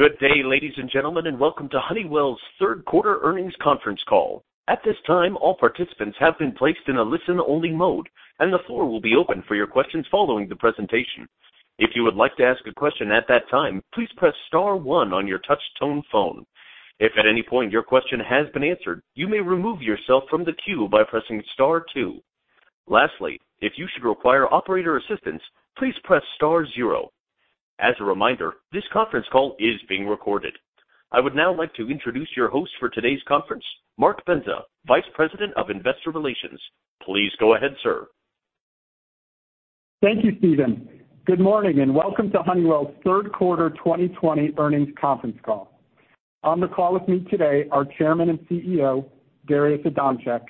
Good day, ladies and gentlemen, and welcome to Honeywell's third quarter earnings conference call. At this time, all participants have been placed in a listen-only mode, and the floor will be open for your questions following the presentation. If you would like to ask a question at that time, please press star one on your touch tone phone. If at any point your question has been answered, you may remove yourself from the queue by pressing star two. Lastly, if you should require operator assistance, please press star zero. As a reminder, this conference call is being recorded. I would now like to introduce your host for today's conference, Mark Bendza, Vice President of Investor Relations. Please go ahead, sir. Thank you, Steven. Good morning and welcome to Honeywell's third quarter 2020 earnings conference call. On the call with me today are Chairman and CEO, Darius Adamczyk,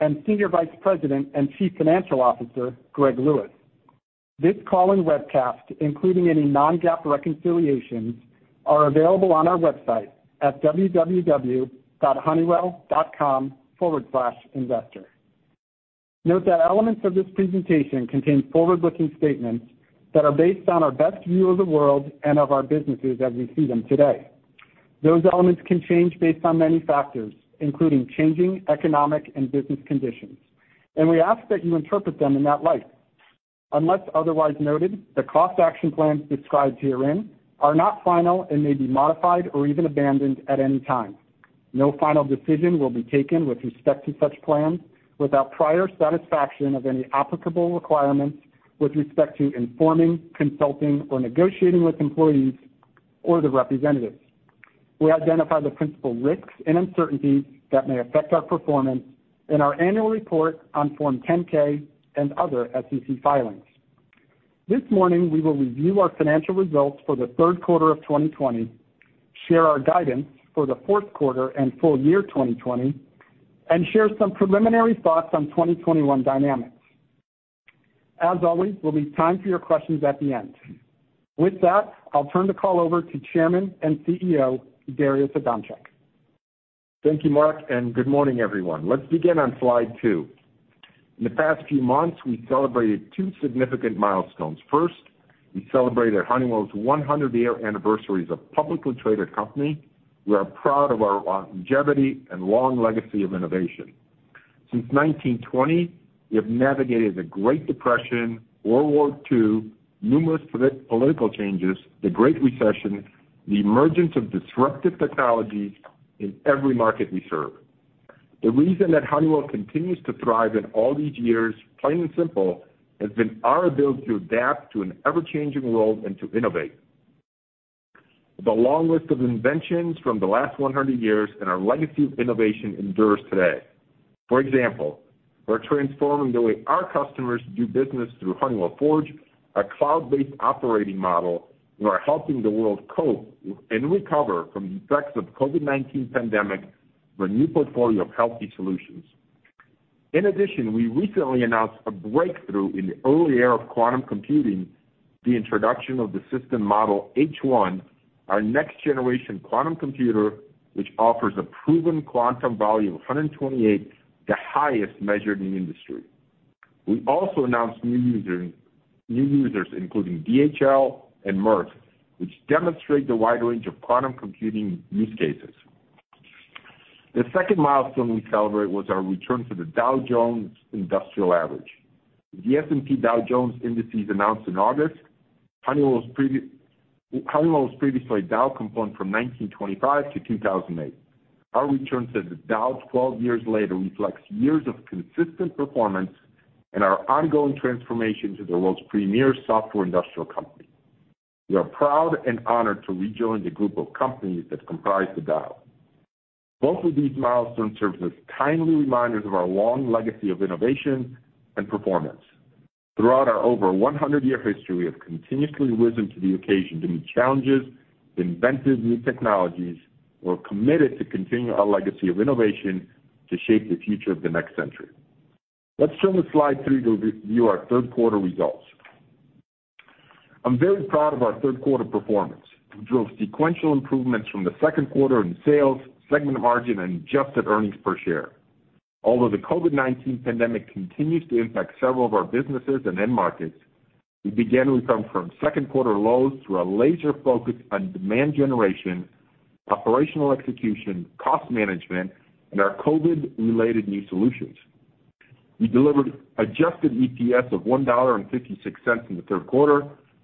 and Senior Vice President and Chief Financial Officer, Greg Lewis. This call and webcast, including any non-GAAP reconciliations, are available on our website at www.honeywell.com/investor. Note that elements of this presentation contain forward-looking statements that are based on our best view of the world and of our businesses as we see them today. Those elements can change based on many factors, including changing economic and business conditions. We ask that you interpret them in that light. Unless otherwise noted, the cost action plans described herein are not final and may be modified or even abandoned at any time. No final decision will be taken with respect to such plans without prior satisfaction of any applicable requirements with respect to informing, consulting, or negotiating with employees or their representatives. We identify the principal risks and uncertainties that may affect our performance in our annual report on Form 10-K and other SEC filings. This morning, we will review our financial results for the third quarter of 2020, share our guidance for the fourth quarter and full year 2020, and share some preliminary thoughts on 2021 dynamics. As always, there'll be time for your questions at the end. With that, I'll turn the call over to Chairman and CEO, Darius Adamczyk. Thank you, Mark, and good morning, everyone. Let's begin on slide two. In the past few months, we celebrated two significant milestones. First, we celebrated Honeywell's 100-year anniversary as a publicly traded company. We are proud of our longevity and long legacy of innovation. Since 1920, we have navigated the Great Depression, World War II, numerous political changes, the Great Recession, the emergence of disruptive technologies in every market we serve. The reason that Honeywell continues to thrive in all these years, plain and simple, has been our ability to adapt to an ever-changing world and to innovate. The long list of inventions from the last 100 years and our legacy of innovation endures today. For example, we're transforming the way our customers do business through Honeywell Forge, a cloud-based operating model, and we are helping the world cope and recover from the effects of COVID-19 pandemic with a new portfolio of healthy solutions. In addition, we recently announced a breakthrough in the early era of quantum computing, the introduction of the System Model H1, our next generation quantum computer, which offers a proven quantum value of 128, the highest measured in industry. We also announced new users, including DHL and Merck, which demonstrate the wide range of quantum computing use cases. The second milestone we celebrate was our return to the Dow Jones Industrial Average. The S&P Dow Jones Indices announced in August, Honeywell was previously a Dow component from 1925 to 2008. Our return to the Dow 12 years later reflects years of consistent performance and our ongoing transformation to the world's premier software industrial company. We are proud and honored to rejoin the group of companies that comprise the Dow. Both of these milestones serve as timely reminders of our long legacy of innovation and performance. Throughout our over 100-year history, we have continuously risen to the occasion to meet challenges, invented new technologies. We're committed to continuing our legacy of innovation to shape the future of the next century. Let's turn to slide three to review our third quarter results. I'm very proud of our third quarter performance. We drove sequential improvements from the second quarter in sales, segment margin, and adjusted earnings per share. Although the COVID-19 pandemic continues to impact several of our businesses and end markets, we began to recover from second quarter lows through our laser focus on demand generation, operational execution, cost management, and our COVID-related new solutions. We delivered adjusted EPS of $1.56 in the third quarter,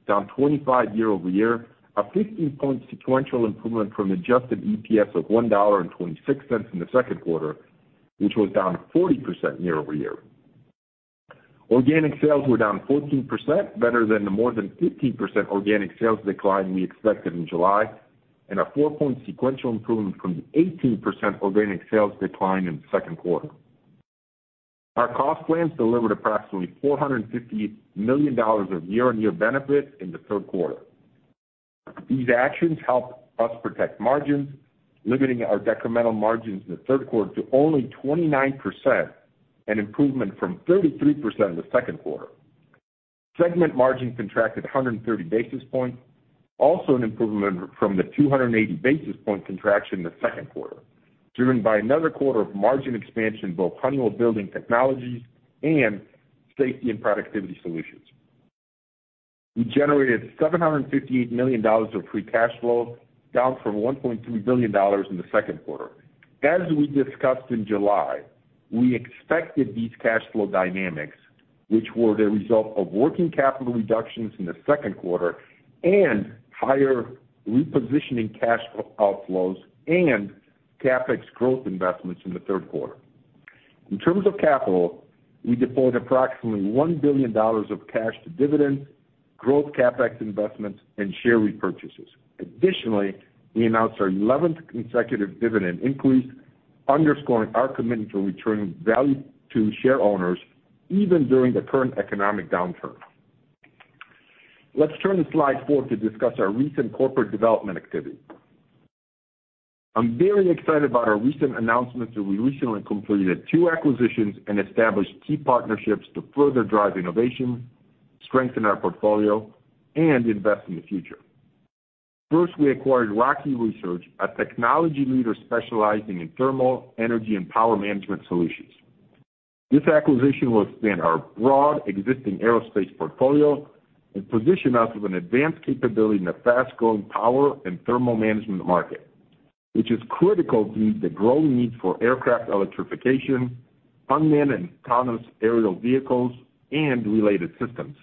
down 25% year-over-year, a 15-point sequential improvement from adjusted EPS of $1.26 in the second quarter, which was down 40% year-over-year. Organic sales were down 14%, better than the more than 15% organic sales decline we expected in July, and a four point sequential improvement from the 18% organic sales decline in the second quarter. Our cost plans delivered approximately $450 million of year-on-year benefit in the third quarter. These actions helped us protect margins, limiting our decremental margins in the third quarter to only 29%, an improvement from 33% in the second quarter. Segment margin contracted 130 basis points, also an improvement from the 280 basis point contraction in the second quarter. Driven by another quarter of margin expansion in both Honeywell Building Technologies and Safety and Productivity Solutions. We generated $758 million of free cash flow, down from $1.3 billion in the second quarter. As we discussed in July, we expected these cash flow dynamics, which were the result of working capital reductions in the second quarter and higher repositioning cash outflows and CapEx growth investments in the third quarter. In terms of capital, we deployed approximately $1 billion of cash to dividends, growth CapEx investments, and share repurchases. Additionally, we announced our 11th consecutive dividend increase, underscoring our commitment to returning value to shareowners even during the current economic downturn. Let's turn to slide four to discuss our recent corporate development activity. I'm very excited about our recent announcement that we recently completed two acquisitions and established key partnerships to further drive innovation, strengthen our portfolio, and invest in the future. First, we acquired Rocky Research, a technology leader specializing in thermal energy and power management solutions. This acquisition will expand our broad existing portfolio and position us with an advanced capability in the fast-growing power and thermal management market, which is critical to meet the growing need for aircraft electrification, unmanned and autonomous aerial vehicles, and related systems.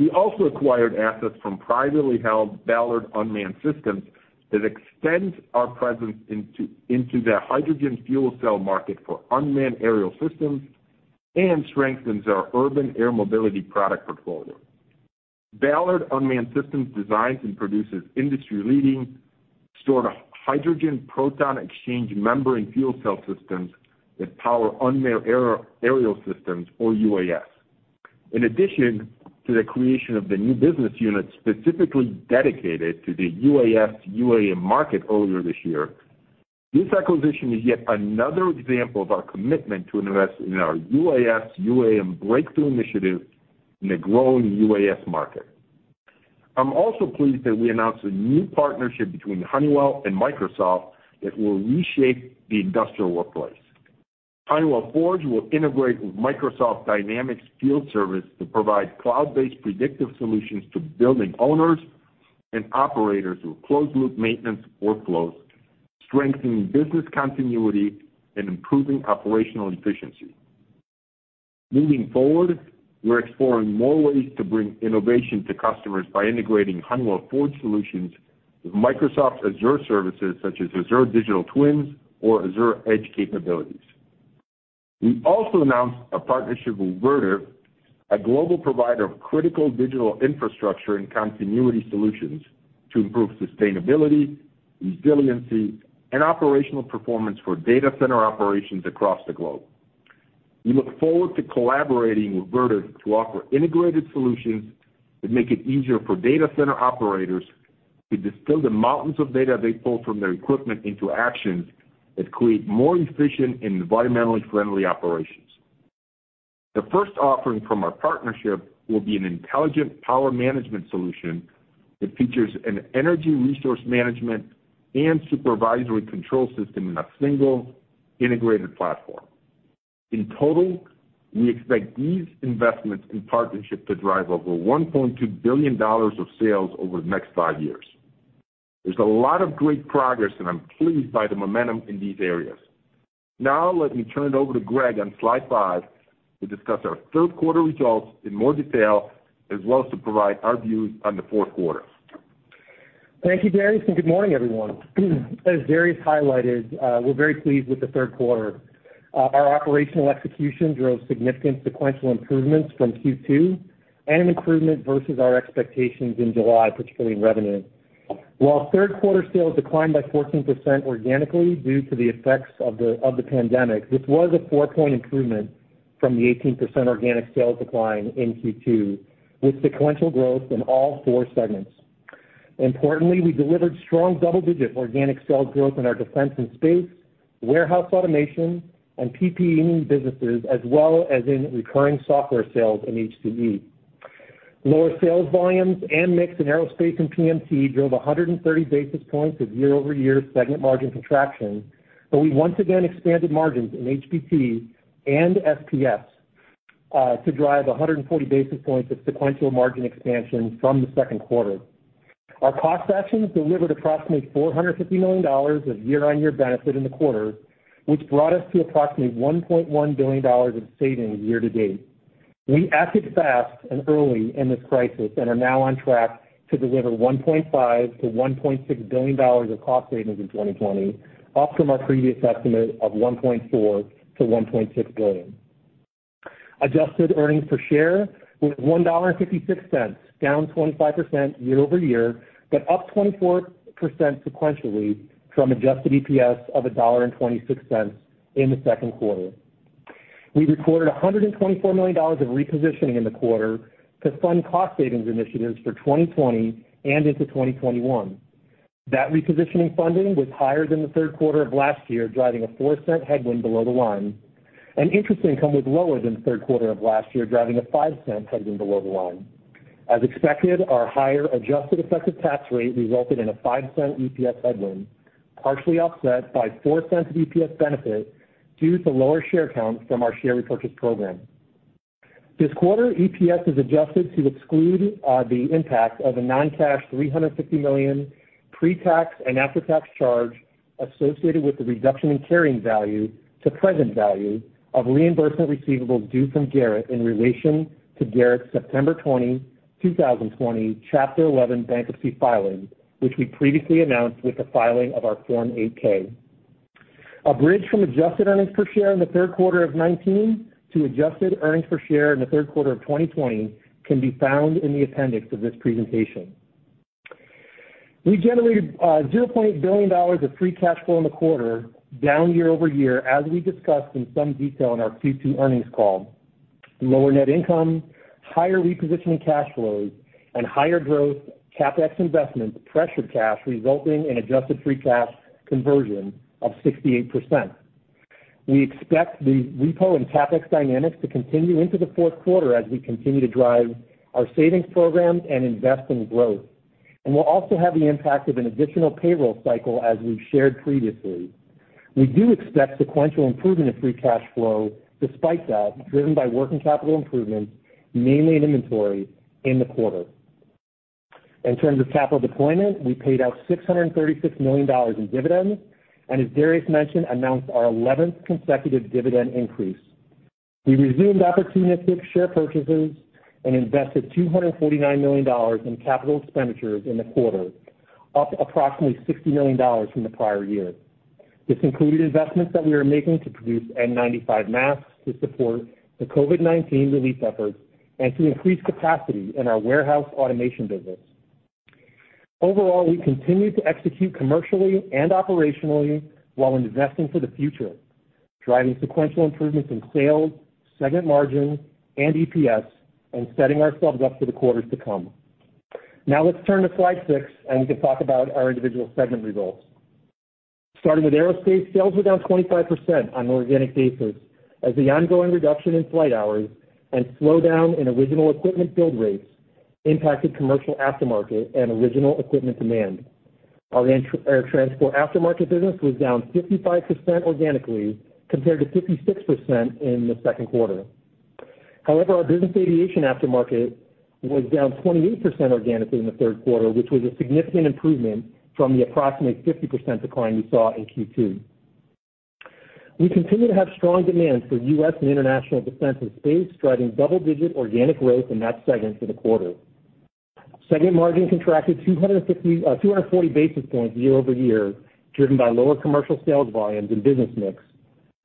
We also acquired assets from privately held Ballard Unmanned Systems that extends our presence into the hydrogen fuel cell market for unmanned aerial systems and strengthens our urban air mobility product portfolio. Ballard Unmanned Systems designs and produces industry-leading stored hydrogen proton exchange membrane fuel cell systems that power unmanned aerial systems, or UAS. In addition to the creation of the new business unit specifically dedicated to the UAS/UAM market earlier this year, this acquisition is yet another example of our commitment to invest in our UAS/UAM breakthrough initiative in the growing UAS market. I'm also pleased that we announced a new partnership between Honeywell and Microsoft that will reshape the industrial workplace. Honeywell Forge will integrate with Microsoft Dynamics Field Service to provide cloud-based predictive solutions to building owners and operators with closed-loop maintenance workflows, strengthening business continuity and improving operational efficiency. We're exploring more ways to bring innovation to customers by integrating Honeywell Forge solutions with Microsoft Azure services, such as Azure Digital Twins or Azure Edge capabilities. We also announced a partnership with Vertiv, a global provider of critical digital infrastructure and continuity solutions to improve sustainability, resiliency, and operational performance for data center operations across the globe. We look forward to collaborating with Vertiv to offer integrated solutions that make it easier for data center operators to distill the mountains of data they pull from their equipment into actions that create more efficient and environmentally friendly operations. The first offering from our partnership will be an intelligent power management solution that features an energy resource management and supervisory control system in a single integrated platform. In total, we expect these investments and partnership to drive over $1.2 billion of sales over the next five years. There's a lot of great progress, and I'm pleased by the momentum in these areas. Now let me turn it over to Greg on slide five to discuss our third quarter results in more detail, as well as to provide our views on the fourth quarter. Thank you, Darius, and good morning, everyone. As Darius highlighted, we're very pleased with the third quarter. Our operational execution drove significant sequential improvements from Q2 and an improvement versus our expectations in July, particularly in revenue. While third quarter sales declined by 14% organically due to the effects of the pandemic, this was a four-point improvement from the 18% organic sales decline in Q2, with sequential growth in all four segments. Importantly, we delivered strong double-digit organic sales growth in our Defense and Space, warehouse automation, and PPE businesses, as well as in recurring software sales in HCE. Lower sales volumes and mix in aerospace and PMT drove 130 basis points of year-over-year segment margin contraction, but we once again expanded margins in HBT and SPS to drive 140 basis points of sequential margin expansion from the second quarter. Our cost actions delivered approximately $450 million of year-on-year benefit in the quarter, which brought us to approximately $1.1 billion of savings year to date. We acted fast and early in this crisis and are now on track to deliver $1.5 billion-$1.6 billion of cost savings in 2020, up from our previous estimate of $1.4 billion-$1.6 billion. Adjusted earnings per share was $1.56, down 25% year-over-year, but up 24% sequentially from adjusted EPS of $1.26 in the second quarter. We recorded $124 million of repositioning in the quarter to fund cost savings initiatives for 2020 and into 2021. That repositioning funding was higher than the third quarter of last year, driving a $0.04 headwind below the line, and interest income was lower than the third quarter of last year, driving a $0.05 headwind below the line. As expected, our higher adjusted effective tax rate resulted in a $0.05 EPS headwind, partially offset by $0.04 of EPS benefit due to lower share count from our share repurchase program. This quarter, EPS is adjusted to exclude the impact of a non-cash $350 million pre-tax and after-tax charge associated with the reduction in carrying value to present value of reimbursement receivables due from Garrett in relation to Garrett's September 20, 2020, Chapter 11 bankruptcy filing, which we previously announced with the filing of our Form 8-K. A bridge from adjusted earnings per share in the third quarter of 2019 to adjusted earnings per share in the third quarter of 2020 can be found in the appendix of this presentation. We generated $0.8 billion of free cash flow in the quarter, down year-over-year, as we discussed in some detail on our Q2 earnings call. Lower net income, higher repositioning cash flows, and higher growth CapEx investments pressured cash, resulting in adjusted free cash conversion of 68%. We expect the repo and CapEx dynamics to continue into the fourth quarter as we continue to drive our savings programs and invest in growth. We'll also have the impact of an additional payroll cycle as we've shared previously. We do expect sequential improvement of free cash flow despite that, driven by working capital improvements, mainly in inventory in the quarter. In terms of capital deployment, we paid out $636 million in dividends, and as Darius mentioned, announced our 11th consecutive dividend increase. We resumed opportunistic share purchases and invested $249 million in CapEx in the quarter, up approximately $60 million from the prior year. This included investments that we are making to produce N95 masks to support the COVID-19 relief efforts and to increase capacity in our warehouse automation business. Overall, we continued to execute commercially and operationally while investing for the future, driving sequential improvements in sales, segment margins, and EPS, and setting ourselves up for the quarters to come. Let's turn to slide six and we can talk about our individual segment results. Starting with Aerospace, sales were down 25% on an organic basis as the ongoing reduction in flight hours and slowdown in original equipment build rates impacted commercial aftermarket and original equipment demand. Our air transport aftermarket business was down 55% organically, compared to 56% in the second quarter. Our business aviation aftermarket was down 28% organically in the third quarter, which was a significant improvement from the approximate 50% decline we saw in Q2. We continue to have strong demand for U.S. and international Defense and Space, driving double-digit organic growth in that segment for the quarter. Segment margin contracted 240 basis points year-over-year, driven by lower commercial sales volumes and business mix,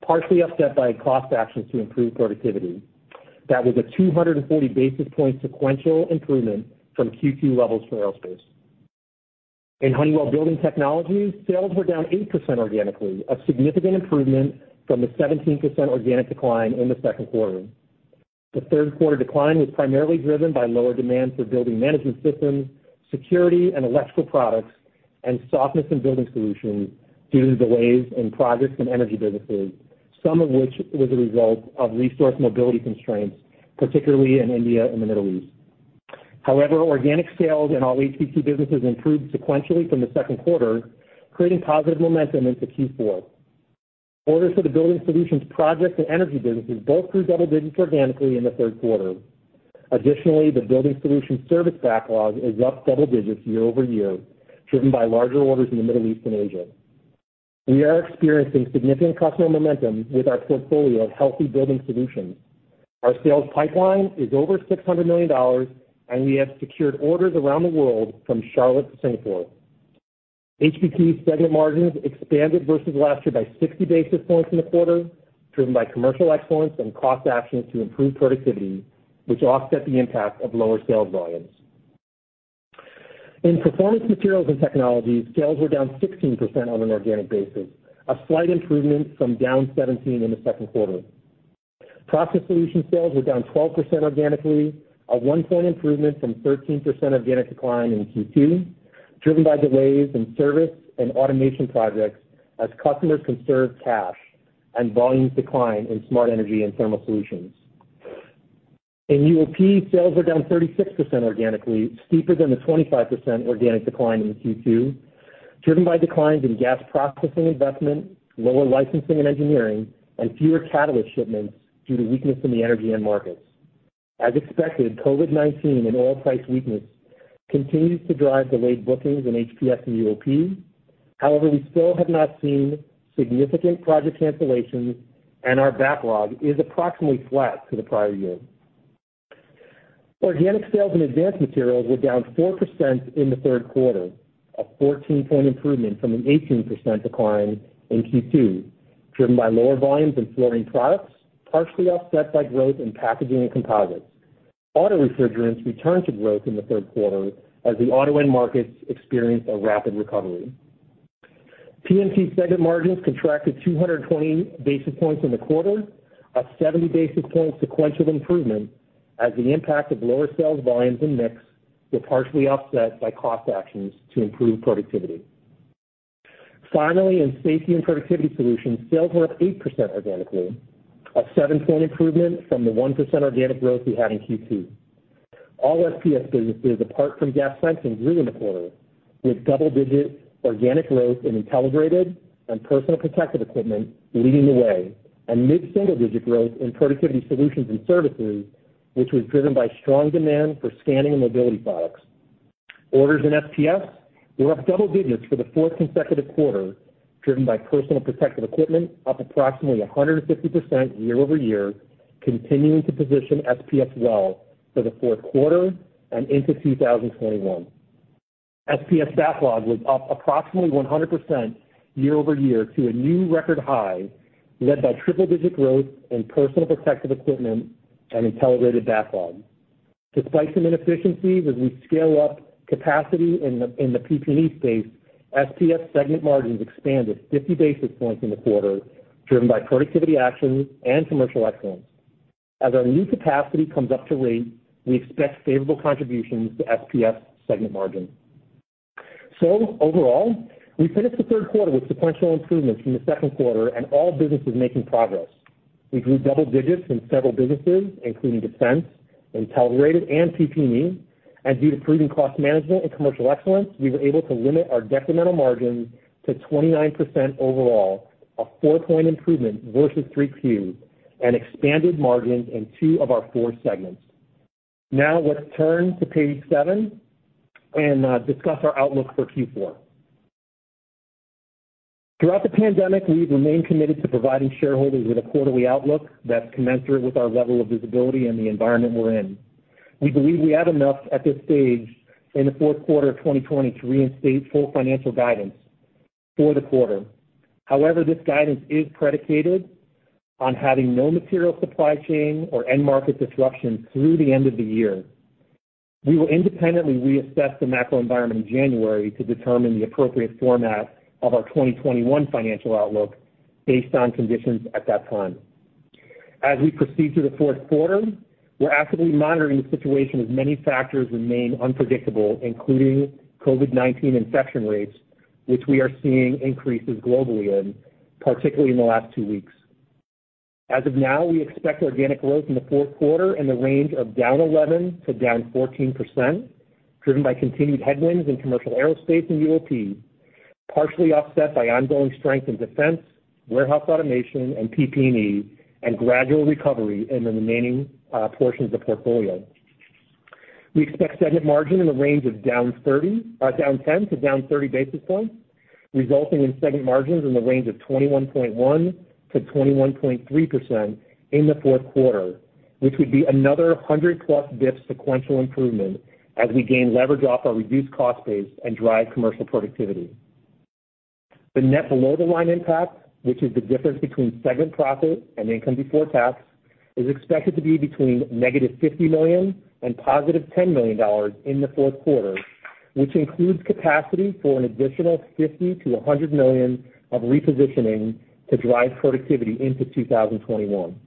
partially offset by cost actions to improve productivity. That was a 240 basis point sequential improvement from Q2 levels for aerospace. In Honeywell Building Technologies, sales were down 8% organically, a significant improvement from the 17% organic decline in the second quarter. The third quarter decline was primarily driven by lower demand for building management systems, security and electrical products, and softness in building solutions due to delays in projects and energy businesses, some of which was a result of resource mobility constraints, particularly in India and the Middle East. Organic sales in all HBT businesses improved sequentially from the second quarter, creating positive momentum into Q4. Orders for the building solutions project and energy businesses both grew double digits organically in the third quarter. The building solution service backlog is up double digits year-over-year, driven by larger orders in the Middle East and Asia. We are experiencing significant customer momentum with our portfolio of healthy building solutions. Our sales pipeline is over $600 million, and we have secured orders around the world from Charlotte to Singapore. HBT segment margins expanded versus last year by 60 basis points in the quarter, driven by commercial excellence and cost actions to improve productivity, which offset the impact of lower sales volumes. In Performance Materials and Technologies, sales were down 16% on an organic basis, a slight improvement from down 17 in the second quarter. Process Solutions sales were down 12% organically, a one-point improvement from 13% organic decline in Q2, driven by delays in service and automation projects as customers conserve cash and volumes decline in smart energy and thermal solutions. In UOP, sales are down 36% organically, steeper than the 25% organic decline in Q2, driven by declines in gas processing investment, lower licensing and engineering, and fewer catalyst shipments due to weakness in the energy end markets. As expected, COVID-19 and oil price weakness continues to drive delayed bookings in HPS and UOP. However, we still have not seen significant project cancellations, and our backlog is approximately flat to the prior year. Organic sales in Advanced Materials were down 4% in the third quarter, a 14-point improvement from an 18% decline in Q2, driven by lower volumes in flooring products, partially offset by growth in packaging and composites. Auto refrigerants returned to growth in the third quarter as the auto end markets experienced a rapid recovery. PMT segment margins contracted 220 basis points in the quarter, a 70 basis point sequential improvement as the impact of lower sales volumes and mix were partially offset by cost actions to improve productivity. Finally, in Safety and Productivity Solutions, sales were up 8% organically, a seven point improvement from the 1% organic growth we had in Q2. All SPS businesses, apart from gas sensing, grew in the quarter, with double-digit organic growth in Intelligrated and personal protective equipment leading the way, and mid single-digit growth in productivity solutions and services, which was driven by strong demand for scanning and mobility products. Orders in SPS were up double-digits for the fourth consecutive quarter, driven by personal protective equipment up approximately 150% year-over-year, continuing to position SPS well for the fourth quarter and into 2021. SPS backlog was up approximately 100% year-over-year to a new record high, led by triple-digit growth in personal protective equipment and Intelligrated backlog. Despite some inefficiencies as we scale up capacity in the PPE space, SPS segment margins expanded 50 basis points in the quarter, driven by productivity actions and commercial excellence. As our new capacity comes up to rate, we expect favorable contributions to SPS segment margin. Overall, we finished the third quarter with sequential improvements from the second quarter and all businesses making progress. We grew double digits in several businesses, including Defense, Intelligrated, and PPE. Due to proven cost management and commercial excellence, we were able to limit our decremental margins to 29% overall, a four point improvement versus 3Q, and expanded margins in two of our four segments. Let's turn to page seven and discuss our outlook for Q4. Throughout the pandemic, we've remained committed to providing shareholders with a quarterly outlook that's commensurate with our level of visibility and the environment we're in. We believe we have enough at this stage in the fourth quarter of 2020 to reinstate full financial guidance for the quarter. However, this guidance is predicated on having no material supply chain or end market disruption through the end of the year. We will independently reassess the macro environment in January to determine the appropriate format of our 2021 financial outlook based on conditions at that time. As we proceed through the fourth quarter, we're actively monitoring the situation as many factors remain unpredictable, including COVID-19 infection rates, which we are seeing increases globally in, particularly in the last two weeks. As of now, we expect organic growth in the fourth quarter in the range of down 11% to down 14%, driven by continued headwinds in commercial aerospace and UOP, partially offset by ongoing strength in defense, warehouse automation, and PPE, and gradual recovery in the remaining portions of portfolio. We expect segment margin in the range of down 10 to down 30 basis points, resulting in segment margins in the range of 21.1%-21.3% in the fourth quarter, which would be another 100+ basis points sequential improvement as we gain leverage off our reduced cost base and drive commercial productivity. The net below-the-line impact, which is the difference between segment profit and income before tax, is expected to be between -$50 million and +$10 million in the fourth quarter, which includes capacity for an additional $50 million-$100 million of repositioning to drive productivity into 2021.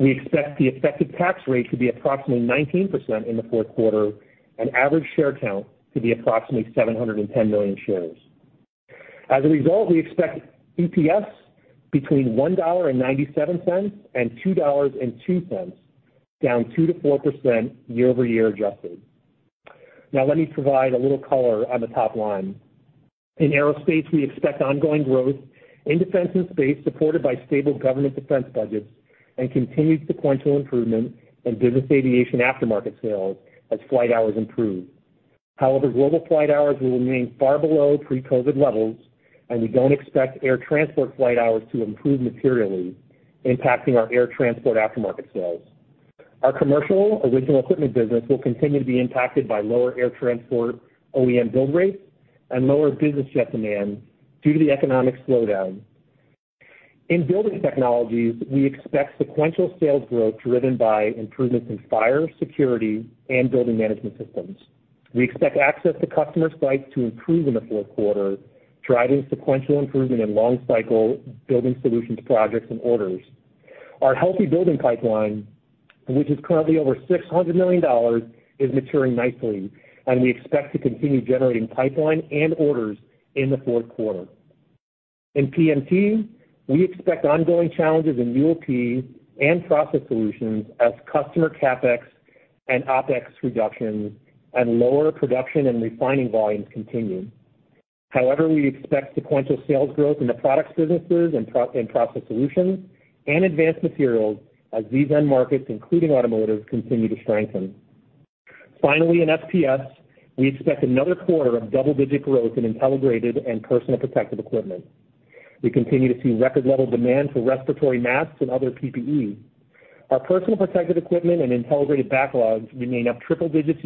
We expect the effective tax rate to be approximately 19% in the fourth quarter and average share count to be approximately 710 million shares. As a result, we expect EPS between $1.97 and $2.02, down 2%-4% year-over-year adjusted. Let me provide a little color on the top line. In aerospace, we expect ongoing growth in Defense and Space supported by stable government defense budgets and continued sequential improvement in business aviation aftermarket sales as flight hours improve. Global flight hours will remain far below pre-COVID levels, and we don't expect air transport flight hours to improve materially, impacting our air transport aftermarket sales. Our commercial original equipment business will continue to be impacted by lower air transport OEM build rates and lower business jet demand due to the economic slowdown. In Building Technologies, we expect sequential sales growth driven by improvements in fire, security, and building management systems. We expect access to customer sites to improve in the fourth quarter, driving sequential improvement in long-cycle building solutions projects and orders. Our healthy building pipeline, which is currently over $600 million, is maturing nicely. We expect to continue generating pipeline and orders in the fourth quarter. In PMT, we expect ongoing challenges in UOP and process solutions as customer CapEx and OpEx reductions and lower production and refining volumes continue. However, we expect sequential sales growth in the products businesses and process solutions and advanced materials as these end markets, including automotive, continue to strengthen. Finally, in SPS, we expect another quarter of double-digit growth in Intelligrated and personal protective equipment. We continue to see record-level demand for respiratory masks and other PPE. Our personal protective equipment and Intelligrated backlogs remain up triple digits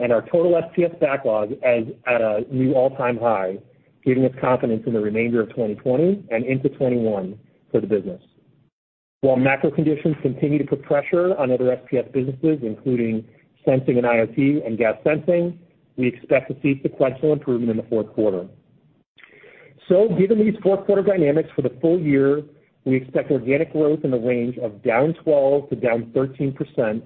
year-over-year. Our total SPS backlog is at a new all-time high, giving us confidence in the remainder of 2020 and into 2021 for the business. While macro conditions continue to put pressure on other SPS businesses, including sensing and IoT and gas sensing, we expect to see sequential improvement in the fourth quarter. Given these fourth quarter dynamics for the full year, we expect organic growth in the range of down 12% to down 13%,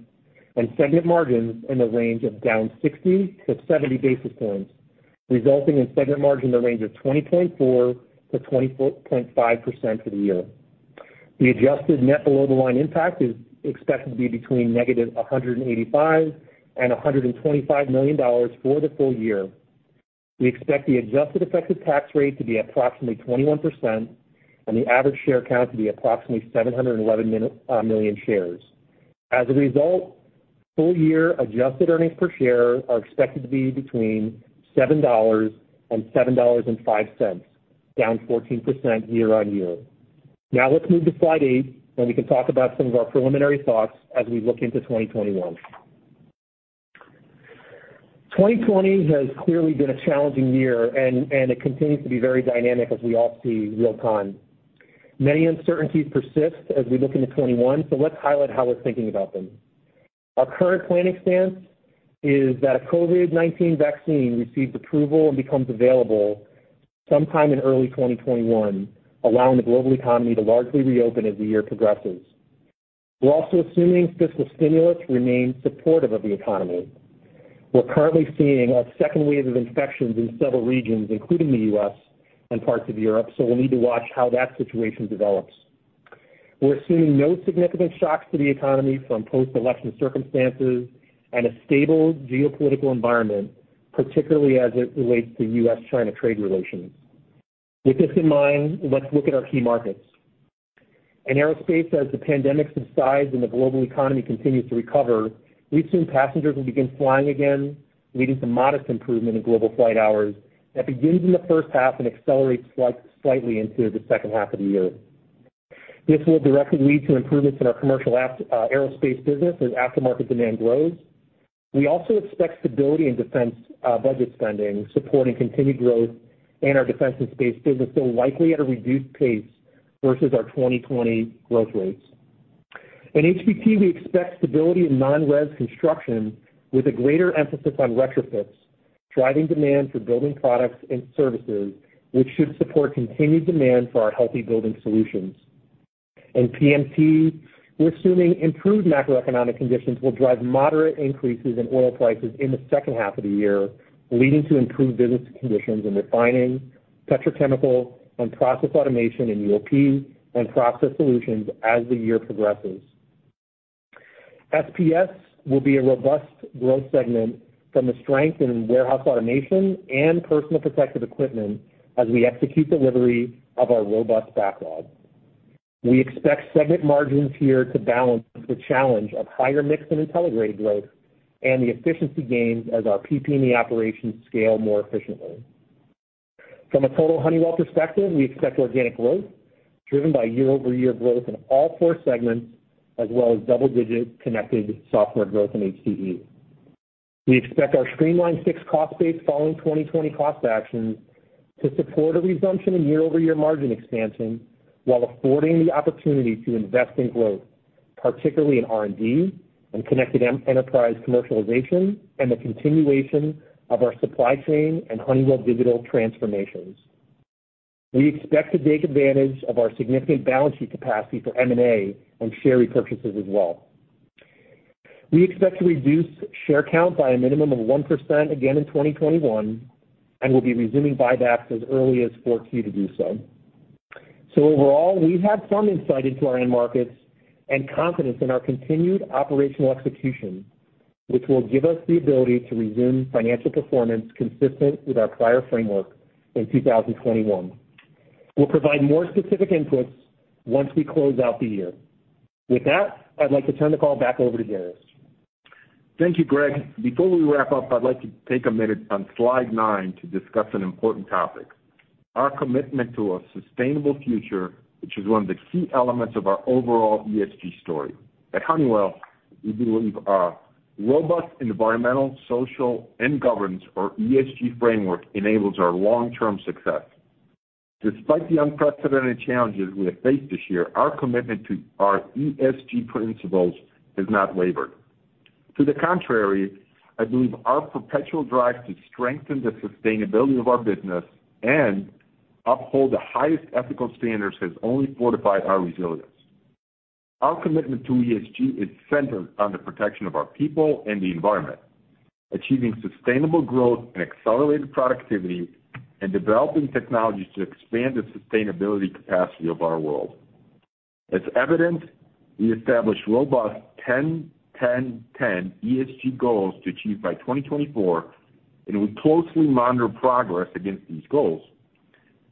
and segment margins in the range of down 60-70 basis points, resulting in segment margin in the range of 20.4%-24.5% for the year. The adjusted net below-the-line impact is expected to be between negative $185 million and $125 million for the full year. We expect the adjusted effective tax rate to be approximately 21%, and the average share count to be approximately 711 million shares. As a result, full year adjusted earnings per share are expected to be between $7 and $7.05, down 14% year-on-year. Now let's move to slide eight, and we can talk about some of our preliminary thoughts as we look into 2021. 2020 has clearly been a challenging year, and it continues to be very dynamic as we all see real time. Many uncertainties persist as we look into 2021, let's highlight how we're thinking about them. Our current planning stance is that a COVID-19 vaccine receives approval and becomes available sometime in early 2021, allowing the global economy to largely reopen as the year progresses. We're also assuming fiscal stimulus remains supportive of the economy. We're currently seeing a second wave of infections in several regions, including the U.S. and parts of Europe, we'll need to watch how that situation develops. We're assuming no significant shocks to the economy from post-election circumstances and a stable geopolitical environment, particularly as it relates to U.S.-China trade relations. With this in mind, let's look at our key markets. In aerospace, as the pandemic subsides and the global economy continues to recover, we assume passengers will begin flying again, leading to modest improvement in global flight hours that begins in the first half and accelerates slightly into the second half of the year. This will directly lead to improvements in our commercial aerospace business as aftermarket demand grows. We also expect stability in defense budget spending, supporting continued growth in our Defense and Space business, though likely at a reduced pace versus our 2020 growth rates. In HBT, we expect stability in non-res construction with a greater emphasis on retrofits, driving demand for building products and services, which should support continued demand for our healthy building solutions. In PMT, we're assuming improved macroeconomic conditions will drive moderate increases in oil prices in the second half of the year, leading to improved business conditions in refining, petrochemical, and process automation in UOP, and process solutions as the year progresses. SPS will be a robust growth segment from the strength in warehouse automation and personal protective equipment as we execute delivery of our robust backlog. We expect segment margins here to balance the challenge of higher mix and Intelligrated growth and the efficiency gains as our PPE operations scale more efficiently. From a total Honeywell perspective, we expect organic growth driven by year-over-year growth in all four segments, as well as double-digit connected software growth in HCE. We expect our streamlined fixed cost base following 2020 cost actions to support a resumption in year-over-year margin expansion while affording the opportunity to invest in growth, particularly in R&D and Connected Enterprise commercialization, and the continuation of our supply chain and Honeywell Digital transformations. We expect to take advantage of our significant balance sheet capacity for M&A and share repurchases as well. We expect to reduce share count by a minimum of 1% again in 2021, and we'll be resuming buybacks as early as 4Q to do so. Overall, we have some insight into our end markets and confidence in our continued operational execution, which will give us the ability to resume financial performance consistent with our prior framework in 2021. We'll provide more specific inputs once we close out the year. With that, I'd like to turn the call back over to Darius. Thank you, Greg. Before we wrap up, I'd like to take a minute on slide nine to discuss an important topic, our commitment to a sustainable future, which is one of the key elements of our overall ESG story. At Honeywell, we believe our robust environmental, social, and governance, or ESG framework, enables our long-term success. Despite the unprecedented challenges we have faced this year, our commitment to our ESG principles has not wavered. To the contrary, I believe our perpetual drive to strengthen the sustainability of our business and uphold the highest ethical standards has only fortified our resilience. Our commitment to ESG is centered on the protection of our people and the environment, achieving sustainable growth and accelerated productivity, and developing technologies to expand the sustainability capacity of our world. As evidenced, we established robust 10-10-10 ESG goals to achieve by 2024. We closely monitor progress against these goals.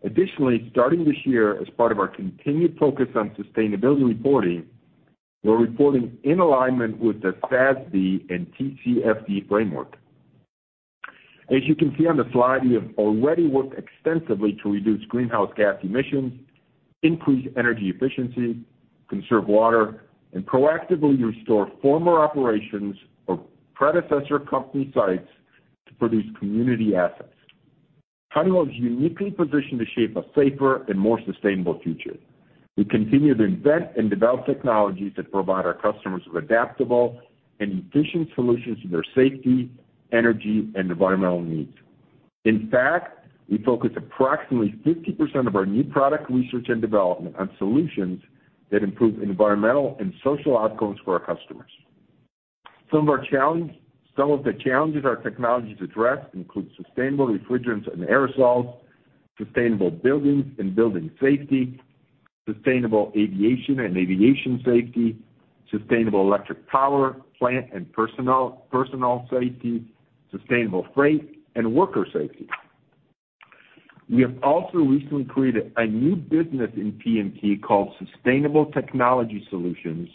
Additionally, starting this year, as part of our continued focus on sustainability reporting, we're reporting in alignment with the SASB and TCFD framework. As you can see on the slide, we have already worked extensively to reduce greenhouse gas emissions, increase energy efficiency, conserve water, and proactively restore former operations of predecessor company sites to produce community assets. Honeywell is uniquely positioned to shape a safer and more sustainable future. We continue to invent and develop technologies that provide our customers with adaptable and efficient solutions for their safety, energy, and environmental needs. In fact, we focus approximately 50% of our new product research and development on solutions that improve environmental and social outcomes for our customers. Some of the challenges our technologies address include sustainable refrigerants and aerosols, sustainable buildings and building safety, sustainable aviation and aviation safety, sustainable electric power plant and personal safety, sustainable freight and worker safety. We have also recently created a new business in PMT called Sustainable Technology Solutions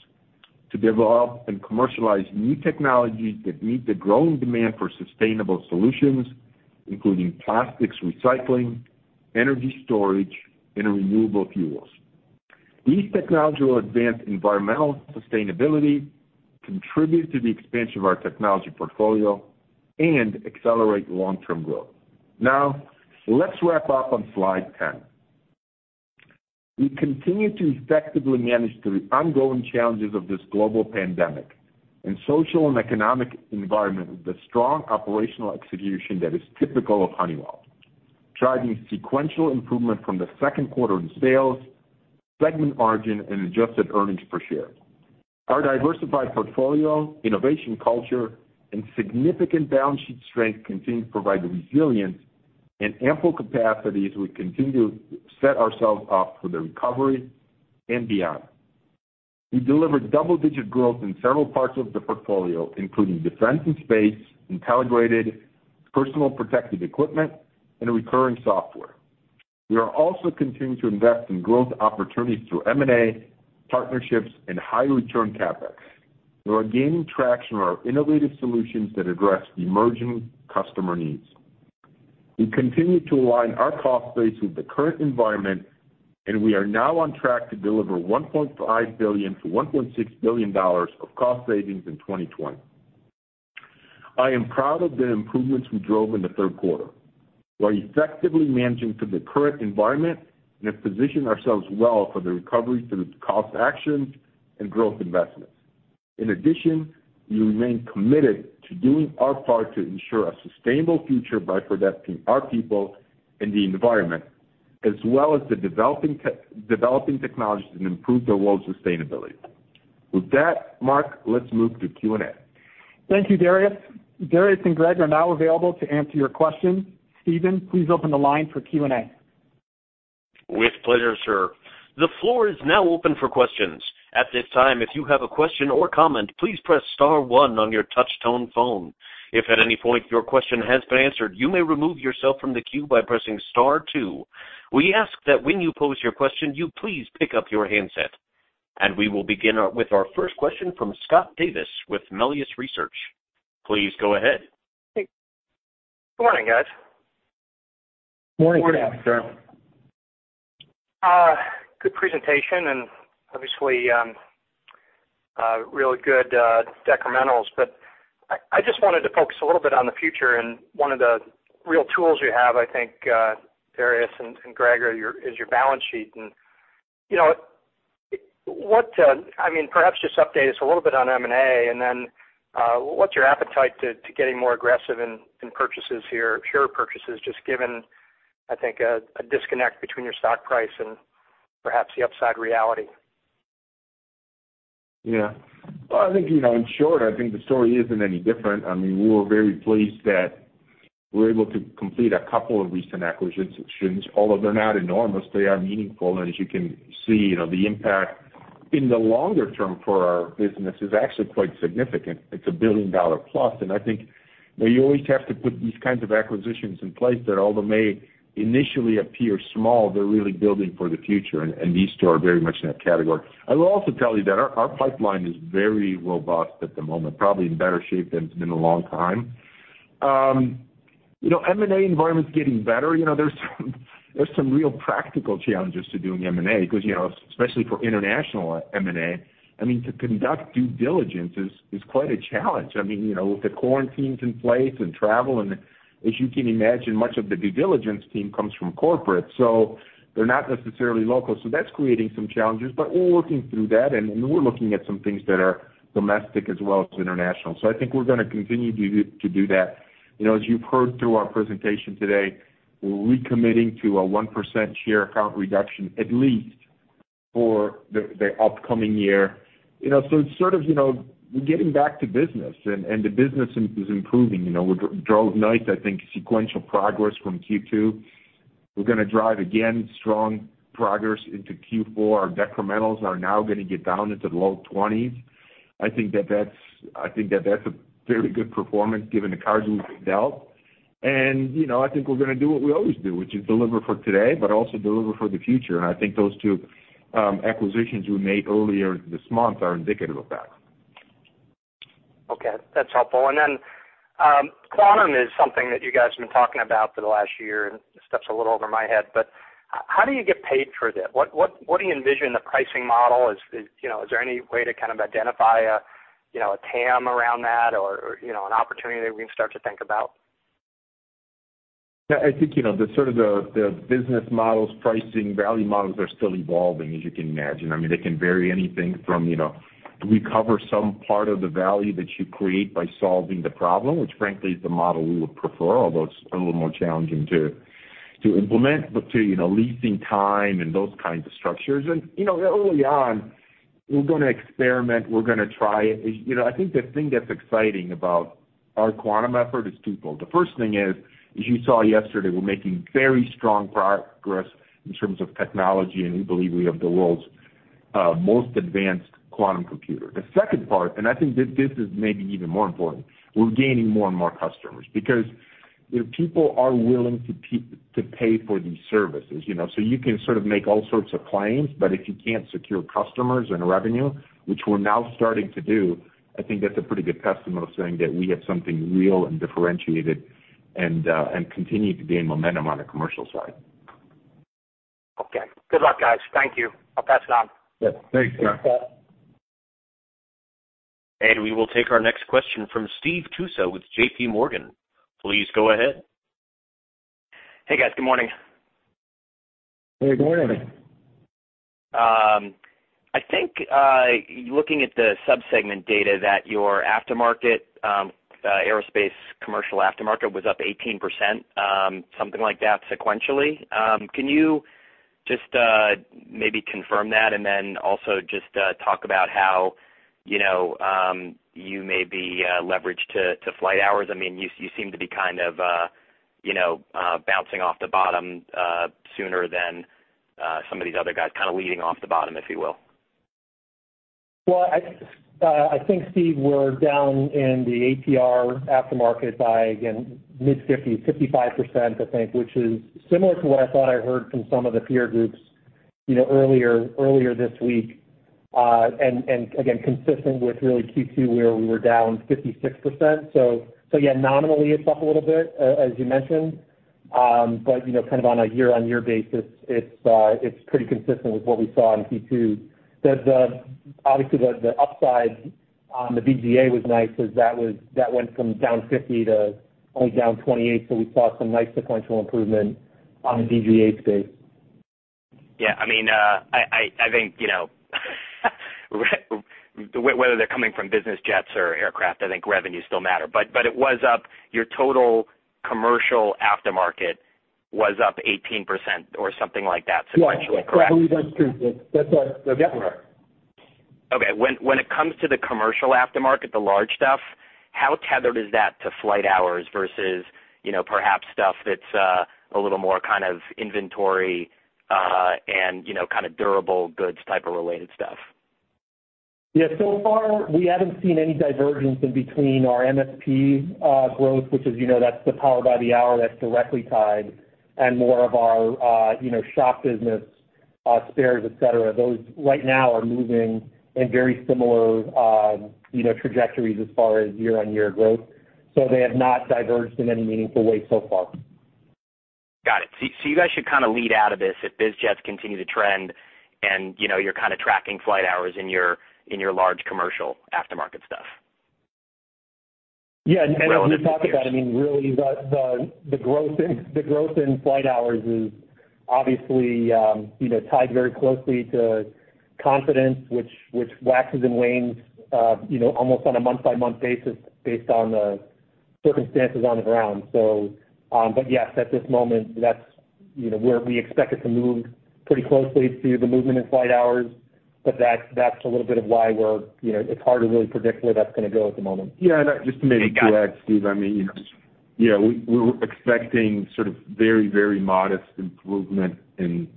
to develop and commercialize new technologies that meet the growing demand for sustainable solutions, including plastics recycling, energy storage, and renewable fuels. These technologies will advance environmental sustainability, contribute to the expansion of our technology portfolio, and accelerate long-term growth. Now, let's wrap up on slide 10. We continue to effectively manage through the ongoing challenges of this global pandemic and social and economic environment with the strong operational execution that is typical of Honeywell, driving sequential improvement from the second quarter in sales, segment margin and adjusted earnings per share. Our diversified portfolio, innovation culture, and significant balance sheet strength continue to provide the resilience and ample capacity as we continue to set ourselves up for the recovery and beyond. We delivered double-digit growth in several parts of the portfolio, including Defense and Space, Intelligrated, personal protective equipment, and recurring software. We are also continuing to invest in growth opportunities through M&A, partnerships, and high return CapEx. We are gaining traction on our innovative solutions that address emerging customer needs. We continue to align our cost base with the current environment, and we are now on track to deliver $1.5 billion-$1.6 billion of cost savings in 2020. I am proud of the improvements we drove in the third quarter. We are effectively managing through the current environment and have positioned ourselves well for the recovery through cost actions and growth investments. We remain committed to doing our part to ensure a sustainable future by protecting our people and the environment, as well as the developing technologies that improve the world's sustainability. With that, Mark, let's move to Q&A. Thank you, Darius. Darius and Greg are now available to answer your questions. Steven, please open the line for Q&A. With pleasure, sir. The floor is now open for questions. At this time if you have a question or comment please press star one on your touchtone phone. If at any point your question has been answered, you may remove yourself from the queue by pressing star two. We ask that when you pose your question you please pick up your handset. We will begin with our first question from Scott Davis with Melius Research. Please go ahead. Good morning, guys. Morning, Scott. Morning, Scott. Good presentation and obviously, really good decrementals. I just wanted to focus a little bit on the future and one of the real tools you have, I think, Darius and Greg, is your balance sheet. Perhaps just update us a little bit on M&A, and then what's your appetite to getting more aggressive in share purchases, just given, I think, a disconnect between your stock price and perhaps the upside reality. Yeah. I think in short, I think the story isn't any different. We were very pleased that we were able to complete a couple of recent acquisitions. They're not enormous, they are meaningful, and as you can see, the impact in the longer term for our business is actually quite significant. It's a $1 billion+, and I think you always have to put these kinds of acquisitions in place that although may initially appear small, they're really building for the future, and these two are very much in that category. I will also tell you that our pipeline is very robust at the moment, probably in better shape than it's been in a long time. M&A environment's getting better. There's some real practical challenges to doing M&A, because especially for international M&A, to conduct due diligence is quite a challenge. With the quarantines in place and travel, as you can imagine, much of the due diligence team comes from corporate, they're not necessarily local. That's creating some challenges, we're working through that, we're looking at some things that are domestic as well as international. I think we're going to continue to do that. As you've heard through our presentation today, we're recommitting to a 1% share count reduction at least for the upcoming year. It's sort of getting back to business, the business is improving. We drove nice sequential progress from Q2. We're going to drive again strong progress into Q4. Our decrementals are now going to get down into the low-20s. I think that that's a very good performance given the cards we've been dealt. I think we're going to do what we always do, which is deliver for today, but also deliver for the future. I think those two acquisitions we made earlier this month are indicative of that. Okay. That's helpful. Quantum is something that you guys have been talking about for the last year, and it steps a little over my head, but how do you get paid for that? What do you envision the pricing model? Is there any way to kind of identify a TAM around that, or an opportunity that we can start to think about? Yeah, I think the business models, pricing, value models are still evolving, as you can imagine. They can vary anything from, do we cover some part of the value that you create by solving the problem? Which frankly is the model we would prefer, although it's a little more challenging to implement, to leasing time and those kinds of structures. Early on, we're going to experiment, we're going to try it. I think the thing that's exciting about our quantum effort is twofold. The first thing is, as you saw yesterday, we're making very strong progress in terms of technology, and we believe we have the world's most advanced quantum computer. The second part, and I think this is maybe even more important, we're gaining more and more customers because people are willing to pay for these services. You can make all sorts of claims, but if you can't secure customers and revenue, which we're now starting to do, I think that's a pretty good testament of saying that we have something real and differentiated, and continue to gain momentum on the commercial side. Okay. Good luck, guys. Thank you. I'll pass it on. Yeah. Thanks, Scott. Thanks, Scott. We will take our next question from Steve Tusa with JPMorgan. Please go ahead. Hey, guys. Good morning. Good morning. I think, looking at the sub-segment data, that your aftermarket aerospace commercial aftermarket was up 18%, something like that sequentially. Can you just maybe confirm that, also just talk about how you may be leveraged to flight hours? You seem to be bouncing off the bottom sooner than some of these other guys, kind of leading off the bottom, if you will. I think, Steve, we're down in the ATR aftermarket by, again, mid-50, 55%, I think, which is similar to what I thought I heard from some of the peer groups earlier this week. Again, consistent with really Q2, where we were down 56%. Yeah, nominally it's up a little bit, as you mentioned. Kind of on a year-on-year basis, it's pretty consistent with what we saw in Q2. Obviously, the upside on the BGA was nice as that went from down 50% to only down 28%, so we saw some nice sequential improvement on the BGA space. Yeah. I think whether they're coming from business jets or aircraft, I think revenues still matter. It was up, your total commercial aftermarket was up 18% or something like that sequentially, correct? Right. I believe that's true. That's right. Yep. Correct. Okay. When it comes to the commercial aftermarket, the large stuff, how tethered is that to flight hours versus perhaps stuff that's a little more kind of inventory, and kind of durable goods type of related stuff? Yeah. So far, we haven't seen any divergence in between our MSP growth, which is, that's the power by the hour that's directly tied, and more of our shop business, spares, et cetera. Those right now are moving in very similar trajectories as far as year-on-year growth. They have not diverged in any meaningful way so far. Got it. You guys should kind of lead out of this if biz jets continue to trend, and you're kind of tracking flight hours in your large commercial aftermarket stuff. Yeah. Relevant. When you talk about, really, the growth in flight hours is obviously tied very closely to confidence, which waxes and wanes almost on a month-by-month basis based on the circumstances on the ground. Yes, at this moment, we expect it to move pretty closely to the movement in flight hours. That's a little bit of why it's hard to really predict where that's going to go at the moment. Yeah, just maybe to add, Steve, we're expecting sort of very modest improvement in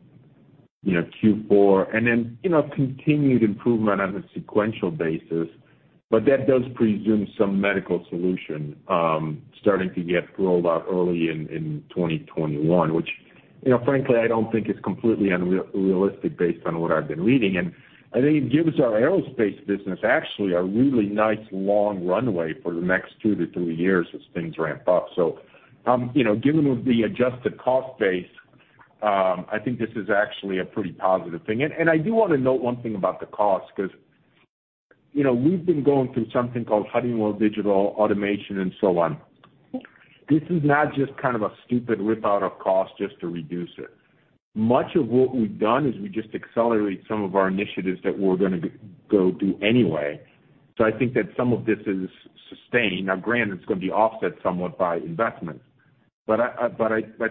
Q4, and then continued improvement on a sequential basis. That does presume some medical solution starting to get rolled out early in 2021, which frankly, I don't think is completely unrealistic based on what I've been reading. I think it gives our aerospace business actually a really nice long runway for the next two to three years as things ramp up. Given the adjusted cost base, I think this is actually a pretty positive thing. I do want to note one thing about the cost, because we've been going through something called Honeywell Digital Automation, and so on. This is not just kind of a stupid rip out of cost just to reduce it. Much of what we've done is we just accelerate some of our initiatives that we're going to go do anyway. I think that some of this is sustained. Now, granted, it's going to be offset somewhat by investments. I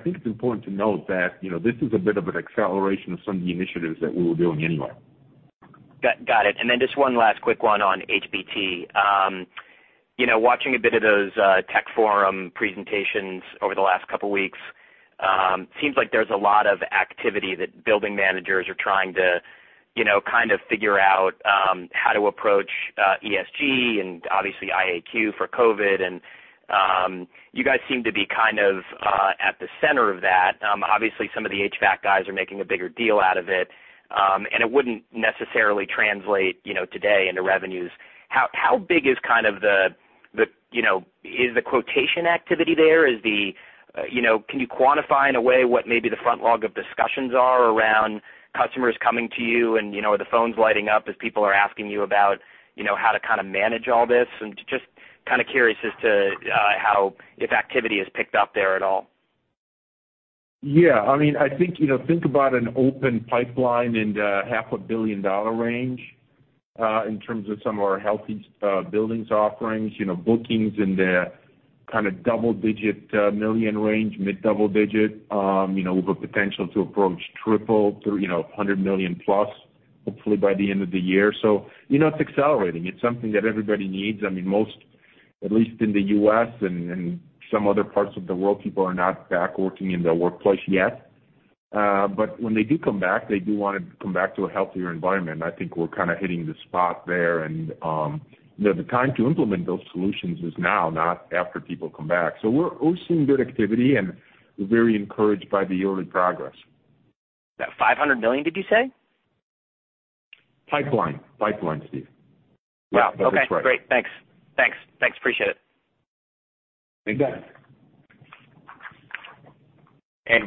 think it's important to note that this is a bit of an acceleration of some of the initiatives that we were doing anyway. Got it. Just one last quick one on HBT. Watching a bit of those tech forum presentations over the last couple of weeks, seems like there's a lot of activity that building managers are trying to kind of figure out how to approach ESG, and obviously IAQ for COVID, and you guys seem to be kind of at the center of that. Obviously, some of the HVAC guys are making a bigger deal out of it. It wouldn't necessarily translate today into revenues. How big is the quotation activity there? Can you quantify in a way what maybe the front log of discussions are around customers coming to you, and are the phones lighting up as people are asking you about how to kind of manage all this? Just kind of curious as to how, if activity has picked up there at all? Yeah. I think about an open pipeline in the $500,000,000 range, in terms of some of our healthy buildings offerings, bookings in the kind of double-digit million range, mid double-digit, with a potential to approach triple to $100 million+ hopefully by the end of the year. It's accelerating. It's something that everybody needs. Most, at least in the U.S. and some other parts of the world, people are not back working in their workplace yet. When they do come back, they do want to come back to a healthier environment, and I think we're kind of hitting the spot there. The time to implement those solutions is now, not after people come back. We're seeing good activity, and we're very encouraged by the early progress. Is that $500 million, did you say? Pipeline, Steve. That's right. Great. Thanks. Appreciate it. You bet.